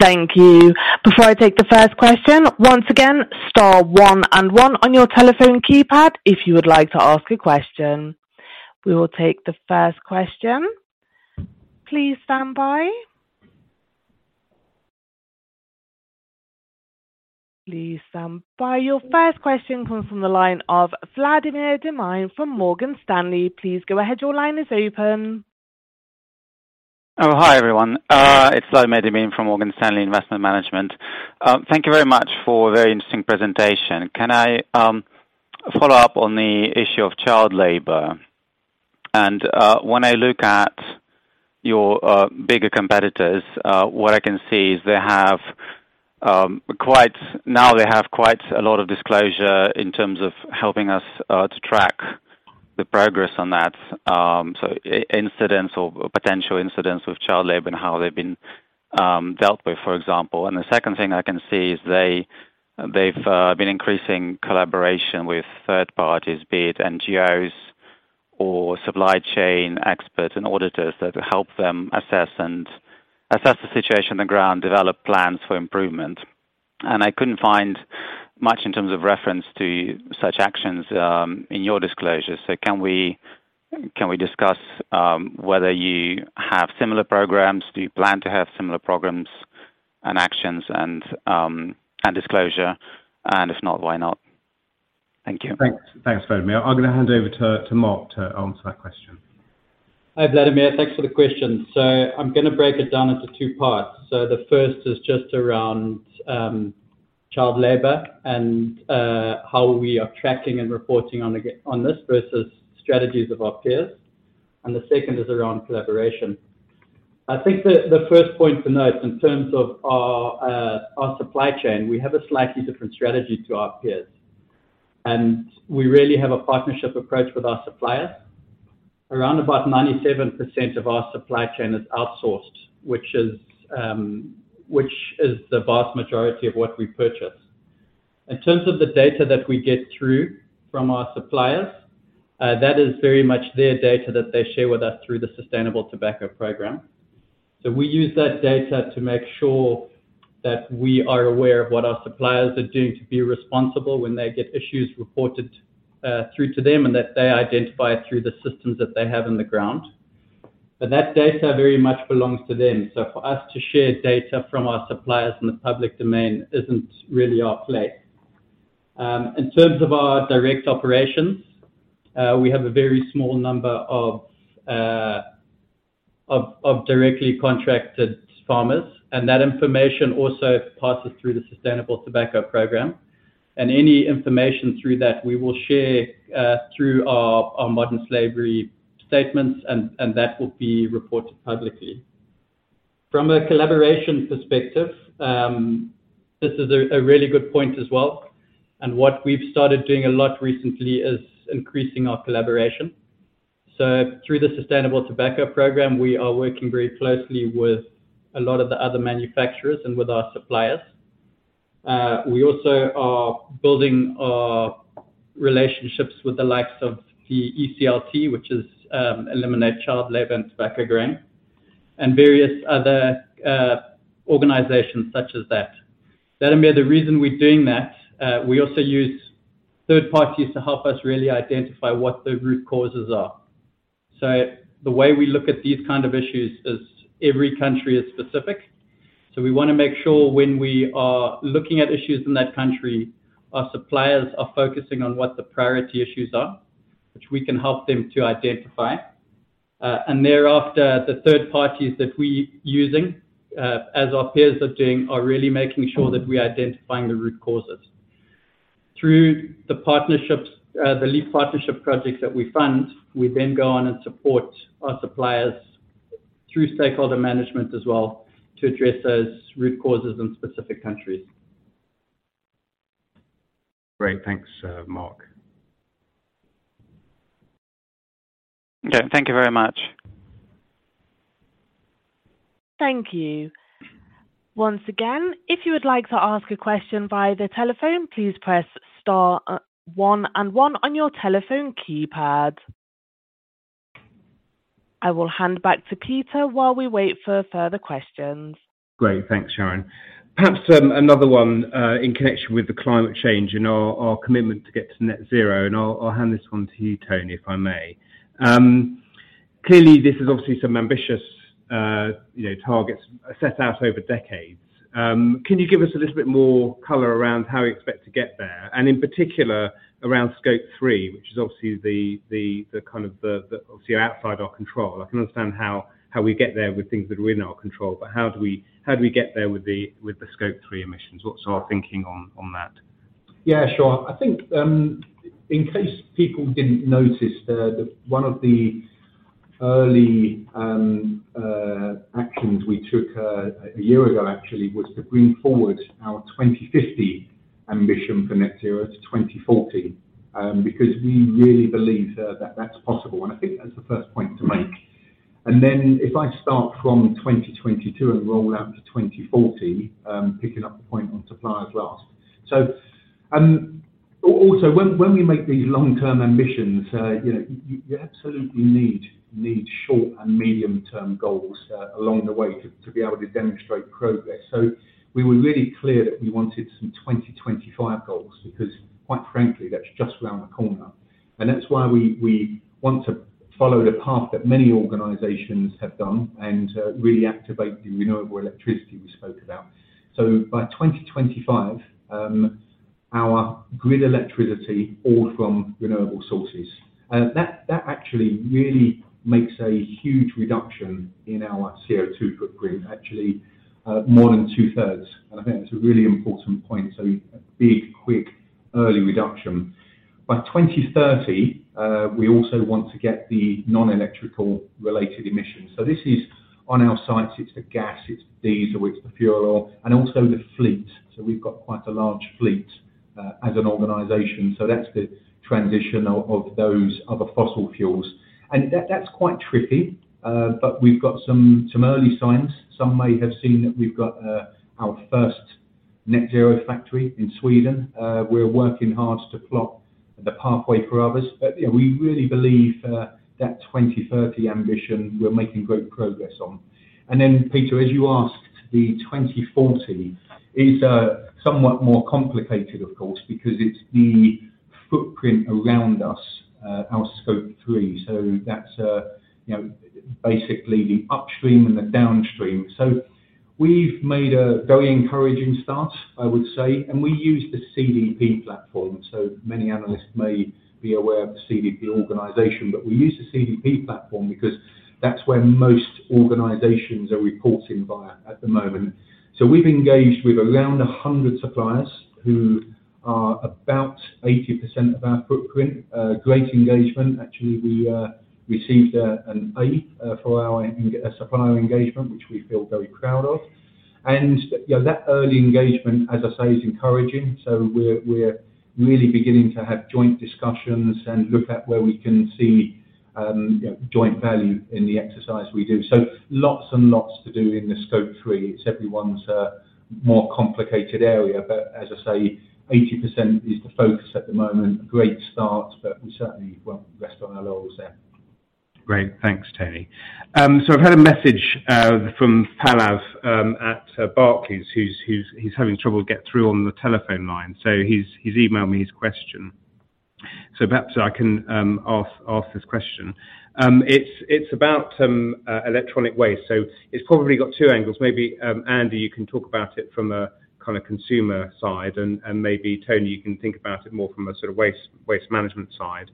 Thank you. Before I take the first question, once again, star one and one on your telephone keypad if you would like to ask a question. We will take the first question. Please stand by. Please stand by. Your first question comes from the line of Vladimir Demine from Morgan Stanley. Please go ahead. Your line is open. Oh, hi, everyone. It's Vladimir Demine from Morgan Stanley Investment Management. Thank you very much for a very interesting presentation. Can I follow up on the issue of child labor? And when I look at your bigger competitors, what I can see is they have quite a lot of disclosure in terms of helping us to track the progress on that. Incidents or potential incidents with child labor and how they've been dealt with, for example. The second thing I can see is they've been increasing collaboration with third parties, be it NGOs or supply chain experts and auditors that help them assess the situation on the ground, develop plans for improvement. I couldn't find much in terms of reference to such actions in your disclosure. Can we discuss whether you have similar programs? Do you plan to have similar programs and actions and disclosure? If not, why not? Thank you. Thanks. Thanks, Vladimir. I'm gonna hand over to Mark to answer that question. Hi, Vladimir. Thanks for the question. I'm gonna break it down into two parts. The first is just around child labor and how we are tracking and reporting on this versus strategies of our peers. The second is around collaboration. I think the first point to note in terms of our supply chain, we have a slightly different strategy to our peers, and we really have a partnership approach with our suppliers. Around about 97% of our supply chain is outsourced, which is the vast majority of what we purchase. In terms of the data that we get through from our suppliers, that is very much their data that they share with us through the Sustainable Tobacco Programme. We use that data to make sure that we are aware of what our suppliers are doing to be responsible when they get issues reported through to them and that they identify through the systems that they have on the ground. That data very much belongs to them. For us to share data from our suppliers in the public domain isn't really our place. In terms of our direct operations, we have a very small number of directly contracted farmers, and that information also passes through the Sustainable Tobacco Programme. Any information through that we will share through our modern slavery statements and that will be reported publicly. From a collaboration perspective, this is a really good point as well, and what we've started doing a lot recently is increasing our collaboration. Through the Sustainable Tobacco Programme, we are working very closely with a lot of the other manufacturers and with our suppliers. We also are building relationships with the likes of the ECLT, which is Eliminate Child Labor in Tobacco Program, and various other organizations such as that. Vladimir, the reason we're doing that, we also use third parties to help us really identify what the root causes are. The way we look at these kind of issues is every country is specific. We wanna make sure when we are looking at issues in that country, our suppliers are focusing on what the priority issues are, which we can help them to identify. Thereafter, the third parties that we're using, as our peers are doing, are really making sure that we are identifying the root causes. Through the partnerships, the lead partnership projects that we fund, we then go on and support our suppliers through stakeholder management as well to address those root causes in specific countries. Great. Thanks, Mark. Okay. Thank you very much. Thank you. Once again, if you would like to ask a question via the telephone, please press star one and one on your telephone keypad. I will hand back to Peter while we wait for further questions. Great. Thanks, Sharon. Perhaps another one in connection with the climate change and our commitment to get to net zero, and I'll hand this one to you, Tony, if I may. Clearly this is obviously some ambitious, you know, targets set out over decades. Can you give us a little bit more color around how we expect to get there, and in particular, around Scope 3, which is obviously the kind of thing obviously outside our control. I can understand how we get there with things that are in our control, but how do we get there with the Scope 3 emissions? What's our thinking on that? Yeah, sure. I think, in case people didn't notice, one of the early actions we took a year ago, actually, was to bring forward our 2050 ambition for net zero to 2040, because we really believe that that's possible. I think that's the first point to make. If I start from 2022 and roll out to 2040, picking up the point on suppliers last. Also, when we make these long-term ambitions, you know, you absolutely need short and medium-term goals along the way to be able to demonstrate progress. We were really clear that we wanted some 2025 goals because quite frankly, that's just around the corner. That's why we want to follow the path that many organizations have done and really activate the renewable electricity we spoke about. By 2025, our grid electricity all from renewable sources. That actually really makes a huge reduction in our CO2 footprint, actually, more than 2/3. I think that's a really important point. A big, quick early reduction. By 2030, we also want to get the non-electrical related emissions. This is on our sites, it's the gas, it's the diesel, it's the fuel, and also the fleet. We've got quite a large fleet, as an organization. That's the transition of those other fossil fuels. That's quite tricky, but we've got some early signs. Some may have seen that we've got our first net zero factory in Sweden. We're working hard to plot the pathway for others. You know, we really believe that 2030 ambition, we're making great progress on. Then Peter, as you asked, the 2040 is somewhat more complicated of course, because it's the footprint around us, our Scope 3. That's, you know, basically the upstream and the downstream. We've made a very encouraging start, I would say, and we use the CDP platform. Many analysts may be aware of the CDP organization, but we use the CDP platform because that's where most organizations are reporting via at the moment. We've engaged with around 100 suppliers who are about 80% of our footprint. Great engagement. Actually, we received an A for our supplier engagement, which we feel very proud of. You know, that early engagement, as I say, is encouraging. We're really beginning to have joint discussions and look at where we can see joint value in the exercise we do. Lots and lots to do in the Scope 3. It's everyone's more complicated area. As I say, 80% is the focus at the moment. Great start, but we certainly won't rest on our laurels there. Great. Thanks, Tony. I've had a message from Pallav at Barclays, who's having trouble getting through on the telephone line. He's emailed me his question. Perhaps I can ask this question. It's about electronic waste. It's probably got two angles. Maybe Anindya, you can talk about it from a kinda consumer side and maybe Tony, you can think about it more from a sort of waste management side.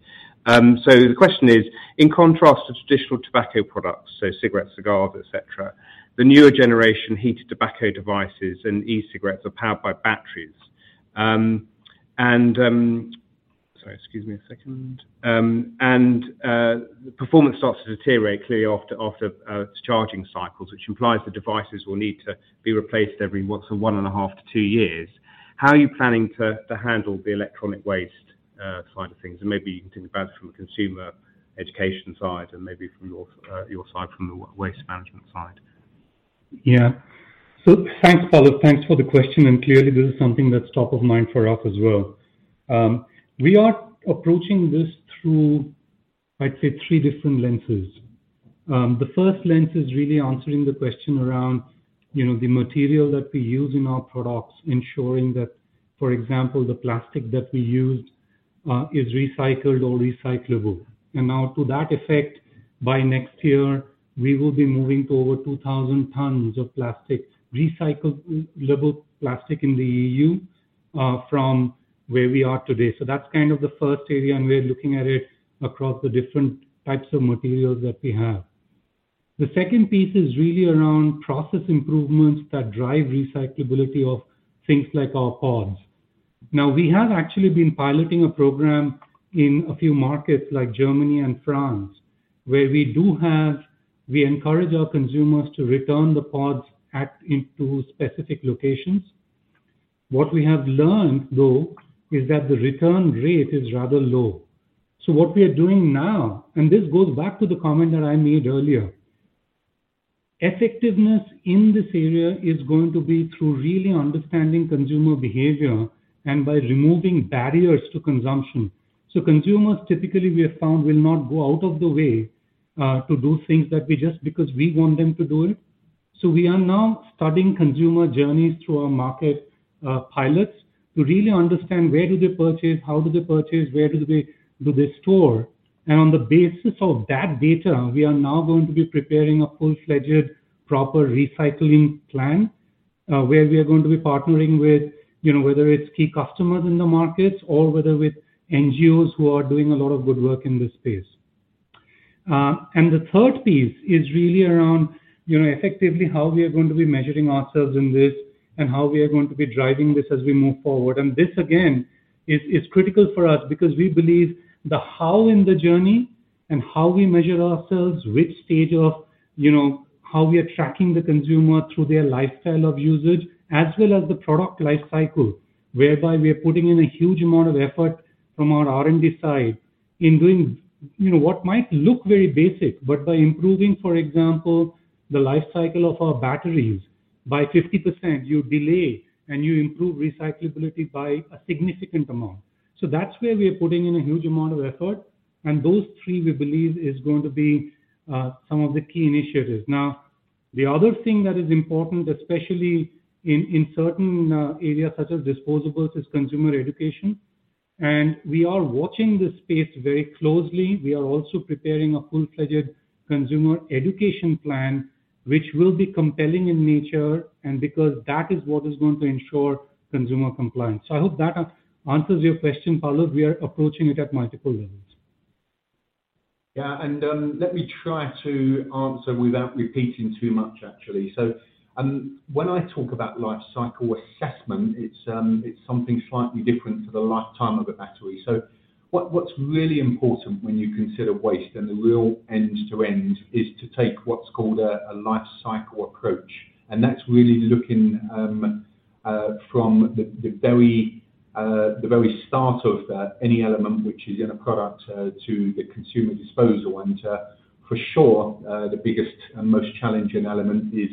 The question is, in contrast to traditional tobacco products, so cigarettes, cigars, et cetera, the newer generation heated tobacco devices and e-cigarettes are powered by batteries. Sorry, excuse me a second. The performance starts to deteriorate clearly after charging cycles, which implies the devices will need to be replaced every 1 to 1.5 to 2 years. How are you planning to handle the electronic waste side of things? Maybe you can think about it from a consumer education side and maybe from your side, from the waste management side. Yeah. Thanks, Pallav. Thanks for the question. Clearly, this is something that's top of mind for us as well. We are approaching this through, I'd say, three different lenses. The first lens is really answering the question around, you know, the material that we use in our products, ensuring that, for example, the plastic that we use is recycled or recyclable. Now, to that effect, by next year, we will be moving to over 2,000 tons of recyclable plastic in the EU, from where we are today. That's kind of the first area, and we're looking at it across the different types of materials that we have. The second piece is really around process improvements that drive recyclability of things like our pods. Now, we have actually been piloting a program in a few markets like Germany and France, where we do have. We encourage our consumers to return the pods at into specific locations. What we have learned, though, is that the return rate is rather low. What we are doing now, and this goes back to the comment that I made earlier, effectiveness in this area is going to be through really understanding consumer behavior and by removing barriers to consumption. Consumers, typically, we have found, will not go out of the way to do things that we just because we want them to do it. We are now studying consumer journeys through our market pilots to really understand where do they purchase, how do they purchase, where do they store. On the basis of that data, we are now going to be preparing a full-fledged, proper recycling plan, where we are going to be partnering with, you know, whether it's key customers in the markets or whether with NGOs who are doing a lot of good work in this space. The third piece is really around, you know, effectively how we are going to be measuring ourselves in this and how we are going to be driving this as we move forward. This, again, is critical for us because we believe the how in the journey and how we measure ourselves, which stage of, you know, how we are tracking the consumer through their lifestyle of usage, as well as the product life cycle, whereby we are putting in a huge amount of effort from our R&D side in doing, you know, what might look very basic, but by improving, for example, the life cycle of our batteries by 50%, you delay and you improve recyclability by a significant amount. That's where we are putting in a huge amount of effort. Those three, we believe is going to be some of the key initiatives. The other thing that is important, especially in certain areas such as disposables, is consumer education. We are watching this space very closely. We are also preparing a full-fledged consumer education plan, which will be compelling in nature and because that is what is going to ensure consumer compliance. I hope that answers your question, Pallav. We are approaching it at multiple levels. Yeah. Let me try to answer without repeating too much actually. When I talk about life cycle assessment, it's something slightly different to the lifetime of a battery. What's really important when you consider waste and the real end-to-end is to take what's called a life cycle approach. That's really looking from the very start of any element which is in a product to the consumer disposal. For sure, the biggest and most challenging element is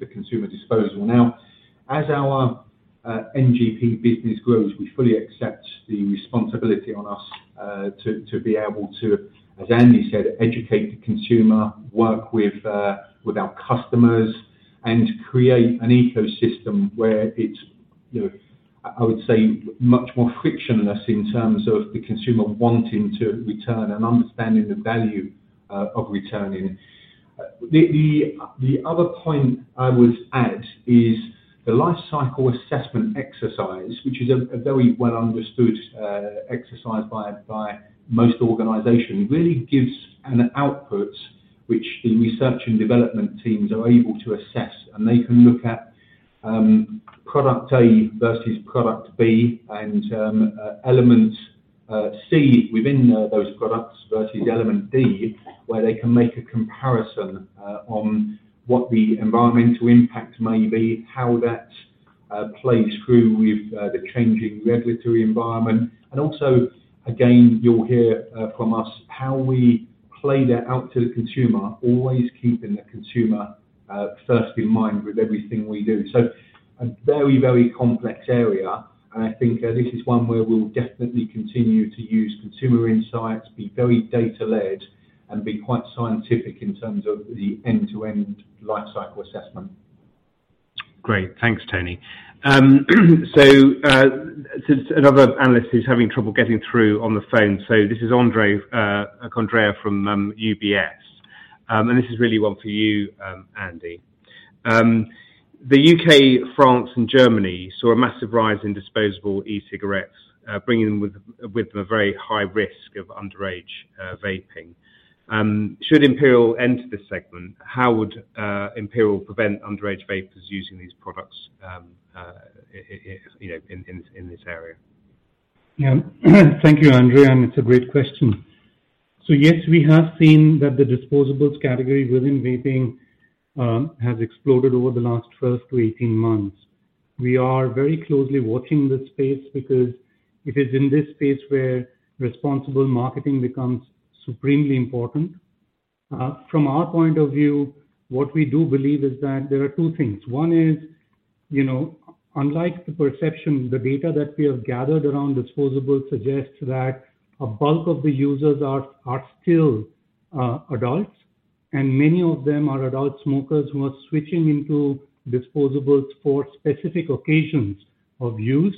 the consumer disposal. Now, as our NGP business grows, we fully accept the responsibility on us to be able to, as Anindya said, educate the consumer, work with our customers, and create an ecosystem where it's, you know, I would say much more frictionless in terms of the consumer wanting to return and understanding the value of returning. The other point I would add is the life cycle assessment exercise, which is a very well understood exercise by most organizations, really gives an output which the research and development teams are able to assess. They can look at product A versus product B and element C within those products versus element D, where they can make a comparison on what the environmental impact may be, how that plays through with the changing regulatory environment. Also again, you'll hear from us how we play that out to the consumer, always keeping the consumer first in mind with everything we do. A very, very complex area, and I think this is one where we'll definitely continue to use consumer insights, be very data-led, and be quite scientific in terms of the end-to-end life cycle assessment. Great. Thanks, Tony. This is Andrea from UBS. This is really one for you, Anindya. The U.K., France and Germany saw a massive rise in disposable e-cigarettes, bringing with them a very high risk of underage vaping. Should Imperial enter this segment, how would Imperial prevent underage vapers using these products, you know, in this area? Yeah. Thank you, Andrea, and it's a great question. Yes, we have seen that the disposables category within vaping has exploded over the last 12-18 months. We are very closely watching this space because it is in this space where responsible marketing becomes supremely important. From our point of view, what we do believe is that there are two things. One is, you know, unlike the perception, the data that we have gathered around disposables suggests that a bulk of the users are still adults, and many of them are adult smokers who are switching into disposables for specific occasions of use.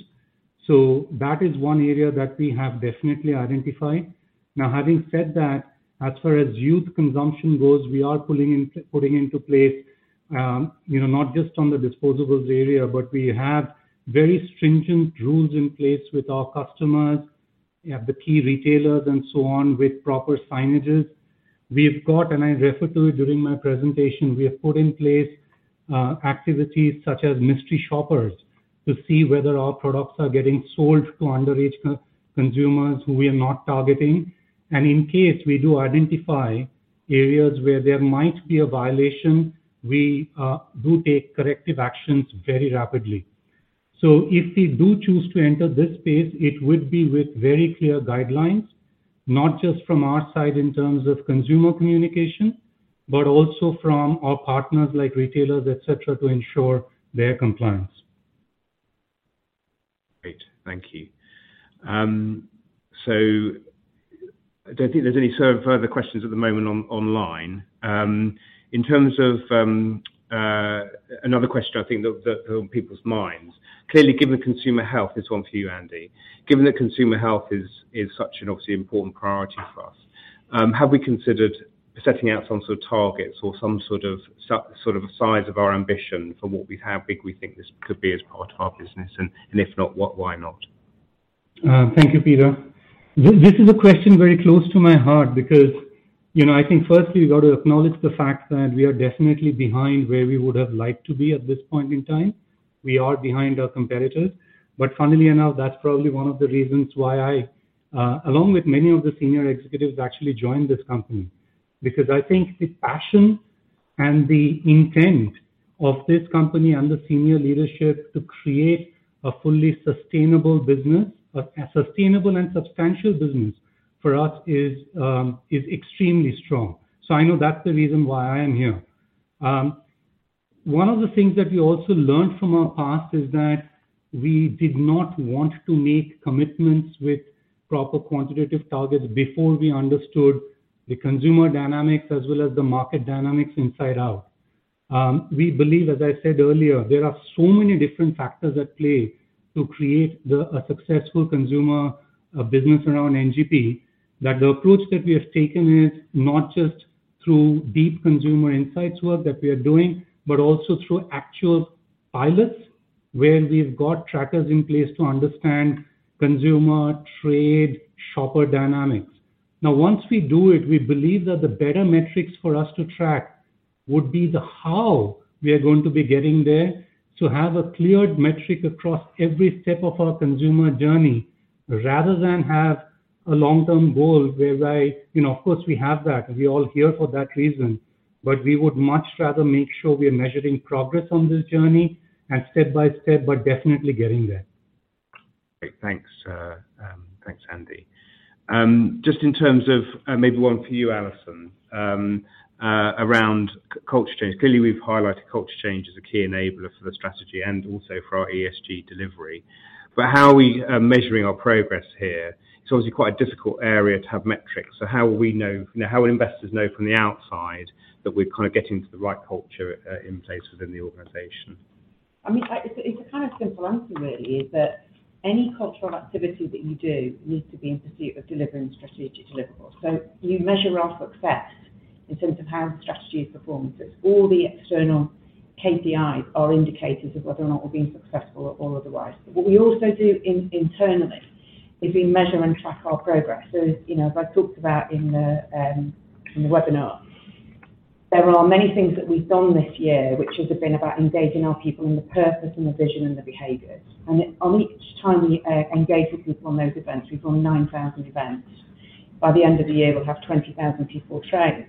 That is one area that we have definitely identified. Now, having said that, as far as youth consumption goes, we are putting into place, you know, not just on the disposables area, but we have very stringent rules in place with our customers, we have the key retailers and so on with proper signages. We've got, and I referred to it during my presentation, we have put in place, activities such as mystery shoppers to see whether our products are getting sold to underage consumers who we are not targeting. In case we do identify areas where there might be a violation, we do take corrective actions very rapidly. If we do choose to enter this space, it would be with very clear guidelines, not just from our side in terms of consumer communication, but also from our partners like retailers, et cetera, to ensure their compliance. Great. Thank you. So I don't think there's any sort of further questions at the moment online. In terms of another question I think that's on people's minds. Clearly, given consumer health, this one's for you, Anindya. Given that consumer health is such an obviously important priority for us, have we considered setting out some sort of targets or some sort of a size of our ambition for how big we think this could be as part of our business? If not, why not? Thank you, Peter. This is a question very close to my heart because, you know, I think firstly, we've got to acknowledge the fact that we are definitely behind where we would have liked to be at this point in time. We are behind our competitors. But funnily enough, that's probably one of the reasons why I, along with many of the senior executives, actually joined this company, because I think the passion and the intent of this company and the senior leadership to create a fully sustainable business, a sustainable and substantial business for us is extremely strong. I know that's the reason why I am here. One of the things that we also learned from our past is that we did not want to make commitments with proper quantitative targets before we understood the consumer dynamics as well as the market dynamics inside out. We believe, as I said earlier, there are so many different factors at play to create a successful consumer business around NGP, that the approach that we have taken is not just through deep consumer insights work that we are doing, but also through actual pilots where we've got trackers in place to understand consumer, trade, shopper dynamics. Now, once we do it, we believe that the better metrics for us to track would be the how we are going to be getting there to have a clear metric across every step of our consumer journey rather than have a long-term goal whereby. You know, of course, we have that. We're all here for that reason. We would much rather make sure we are measuring progress on this journey and step by step, but definitely getting there. Great. Thanks, Anindya. Just in terms of maybe one for you, Alison, around culture change. Clearly, we've highlighted culture change as a key enabler for the strategy and also for our ESG delivery. How are we measuring our progress here? It's obviously quite a difficult area to have metrics, so how will we know? How will investors know from the outside that we're kind of getting to the right culture in place within the organization? I mean, it's a kind of simple answer really, is that any cultural activity that you do needs to be in pursuit of delivering strategic deliverables. We measure our success in terms of how the strategy performs. It's all the external KPIs are indicators of whether or not we're being successful or otherwise. What we also do internally is we measure and track our progress. You know, as I talked about in the webinar, there are many things that we've done this year, which has been about engaging our people in the purpose and the vision and the behaviors. On each time we engage with people on those events, we've run 9,000 events. By the end of the year, we'll have 20,000 people trained.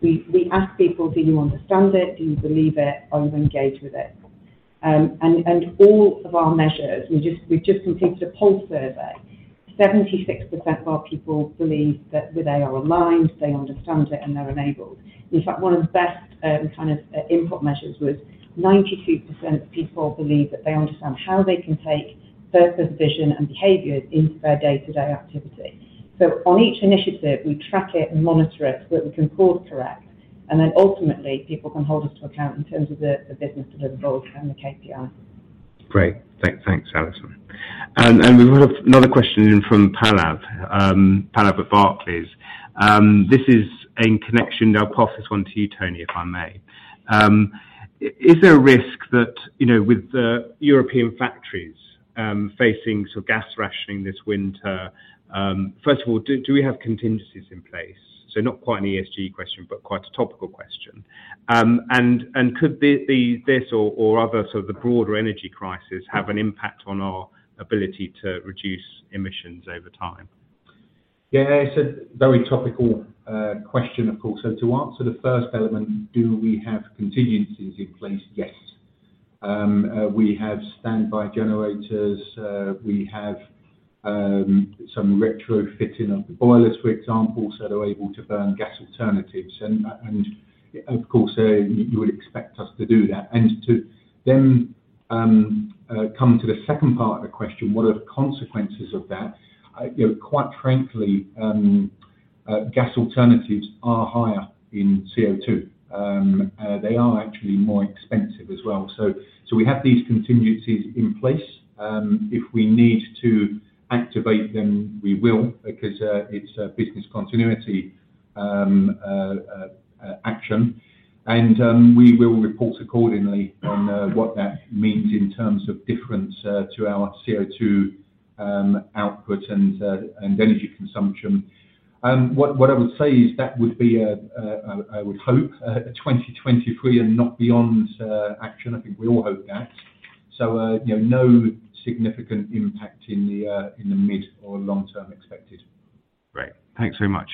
We ask people, "Do you understand it? Do you believe it? Are you engaged with it? And all of our measures, we've just completed a pulse survey. 76% of our people believe that they are aligned, they understand it, and they're enabled. In fact, one of the best, kind of, input measures was 92% of people believe that they understand how they can take purpose, vision, and behaviors into their day-to-day activity. On each initiative, we track it and monitor it so that we can course correct, and then ultimately, people can hold us to account in terms of the business deliverables and the KPI. Great. Thanks, Alison. We have another question in from Pallav at Barclays. This is in connection. I'll pass this one to you, Tony, if I may. Is there a risk that, you know, with the European factories facing sort of gas rationing this winter, first of all, do we have contingencies in place? Not quite an ESG question, but quite a topical question. Could the this or other sort of the broader energy crisis have an impact on our ability to reduce emissions over time? Yeah. It's a very topical question, of course. To answer the first element, do we have contingencies in place? Yes. We have standby generators. We have some retrofitting of the boilers, for example, so they're able to burn gas alternatives. Of course, you would expect us to do that. To then come to the second part of the question, what are the consequences of that? You know, quite frankly, gas alternatives are higher in CO2. They are actually more expensive as well. We have these contingencies in place. If we need to activate them, we will, because it's a business continuity action. We will report accordingly on what that means in terms of difference to our CO2 output and energy consumption. What I would say is that would be a 2023 and not beyond action. I think we all hope that. You know, no significant impact in the mid or long term expected. Great. Thanks very much.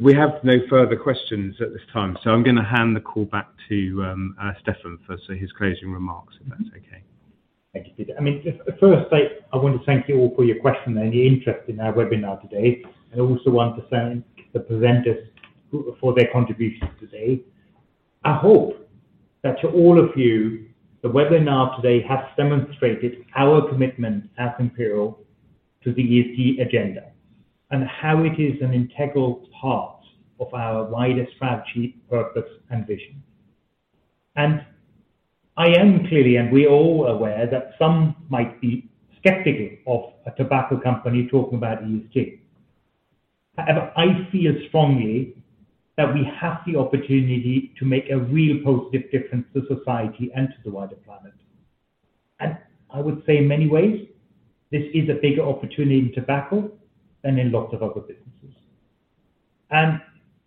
We have no further questions at this time, so I'm gonna hand the call back to Stefan for, say, his closing remarks, if that's okay. Thank you, Peter. I mean, just first, I want to thank you all for your questions and your interest in our webinar today. I also want to thank the presenters for their contributions today. I hope that to all of you, the webinar today has demonstrated our commitment at Imperial to the ESG agenda and how it is an integral part of our wider strategy, purpose, and vision. I am clearly, and we're all aware, that some might be skeptical of a tobacco company talking about ESG. However, I feel strongly that we have the opportunity to make a real positive difference to society and to the wider planet. I would say in many ways, this is a bigger opportunity in tobacco than in lots of other businesses. As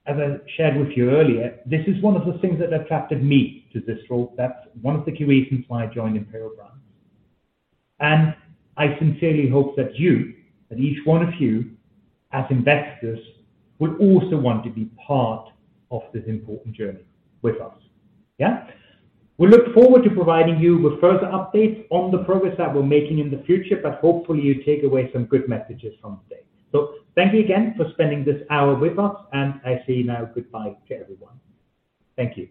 I shared with you earlier, this is one of the things that attracted me to this role. That's one of the key reasons why I joined Imperial Brands. I sincerely hope that you, that each one of you as investors, would also want to be part of this important journey with us. Yeah? We look forward to providing you with further updates on the progress that we're making in the future, but hopefully, you take away some good messages from today. Thank you again for spending this hour with us, and I say now goodbye to everyone. Thank you.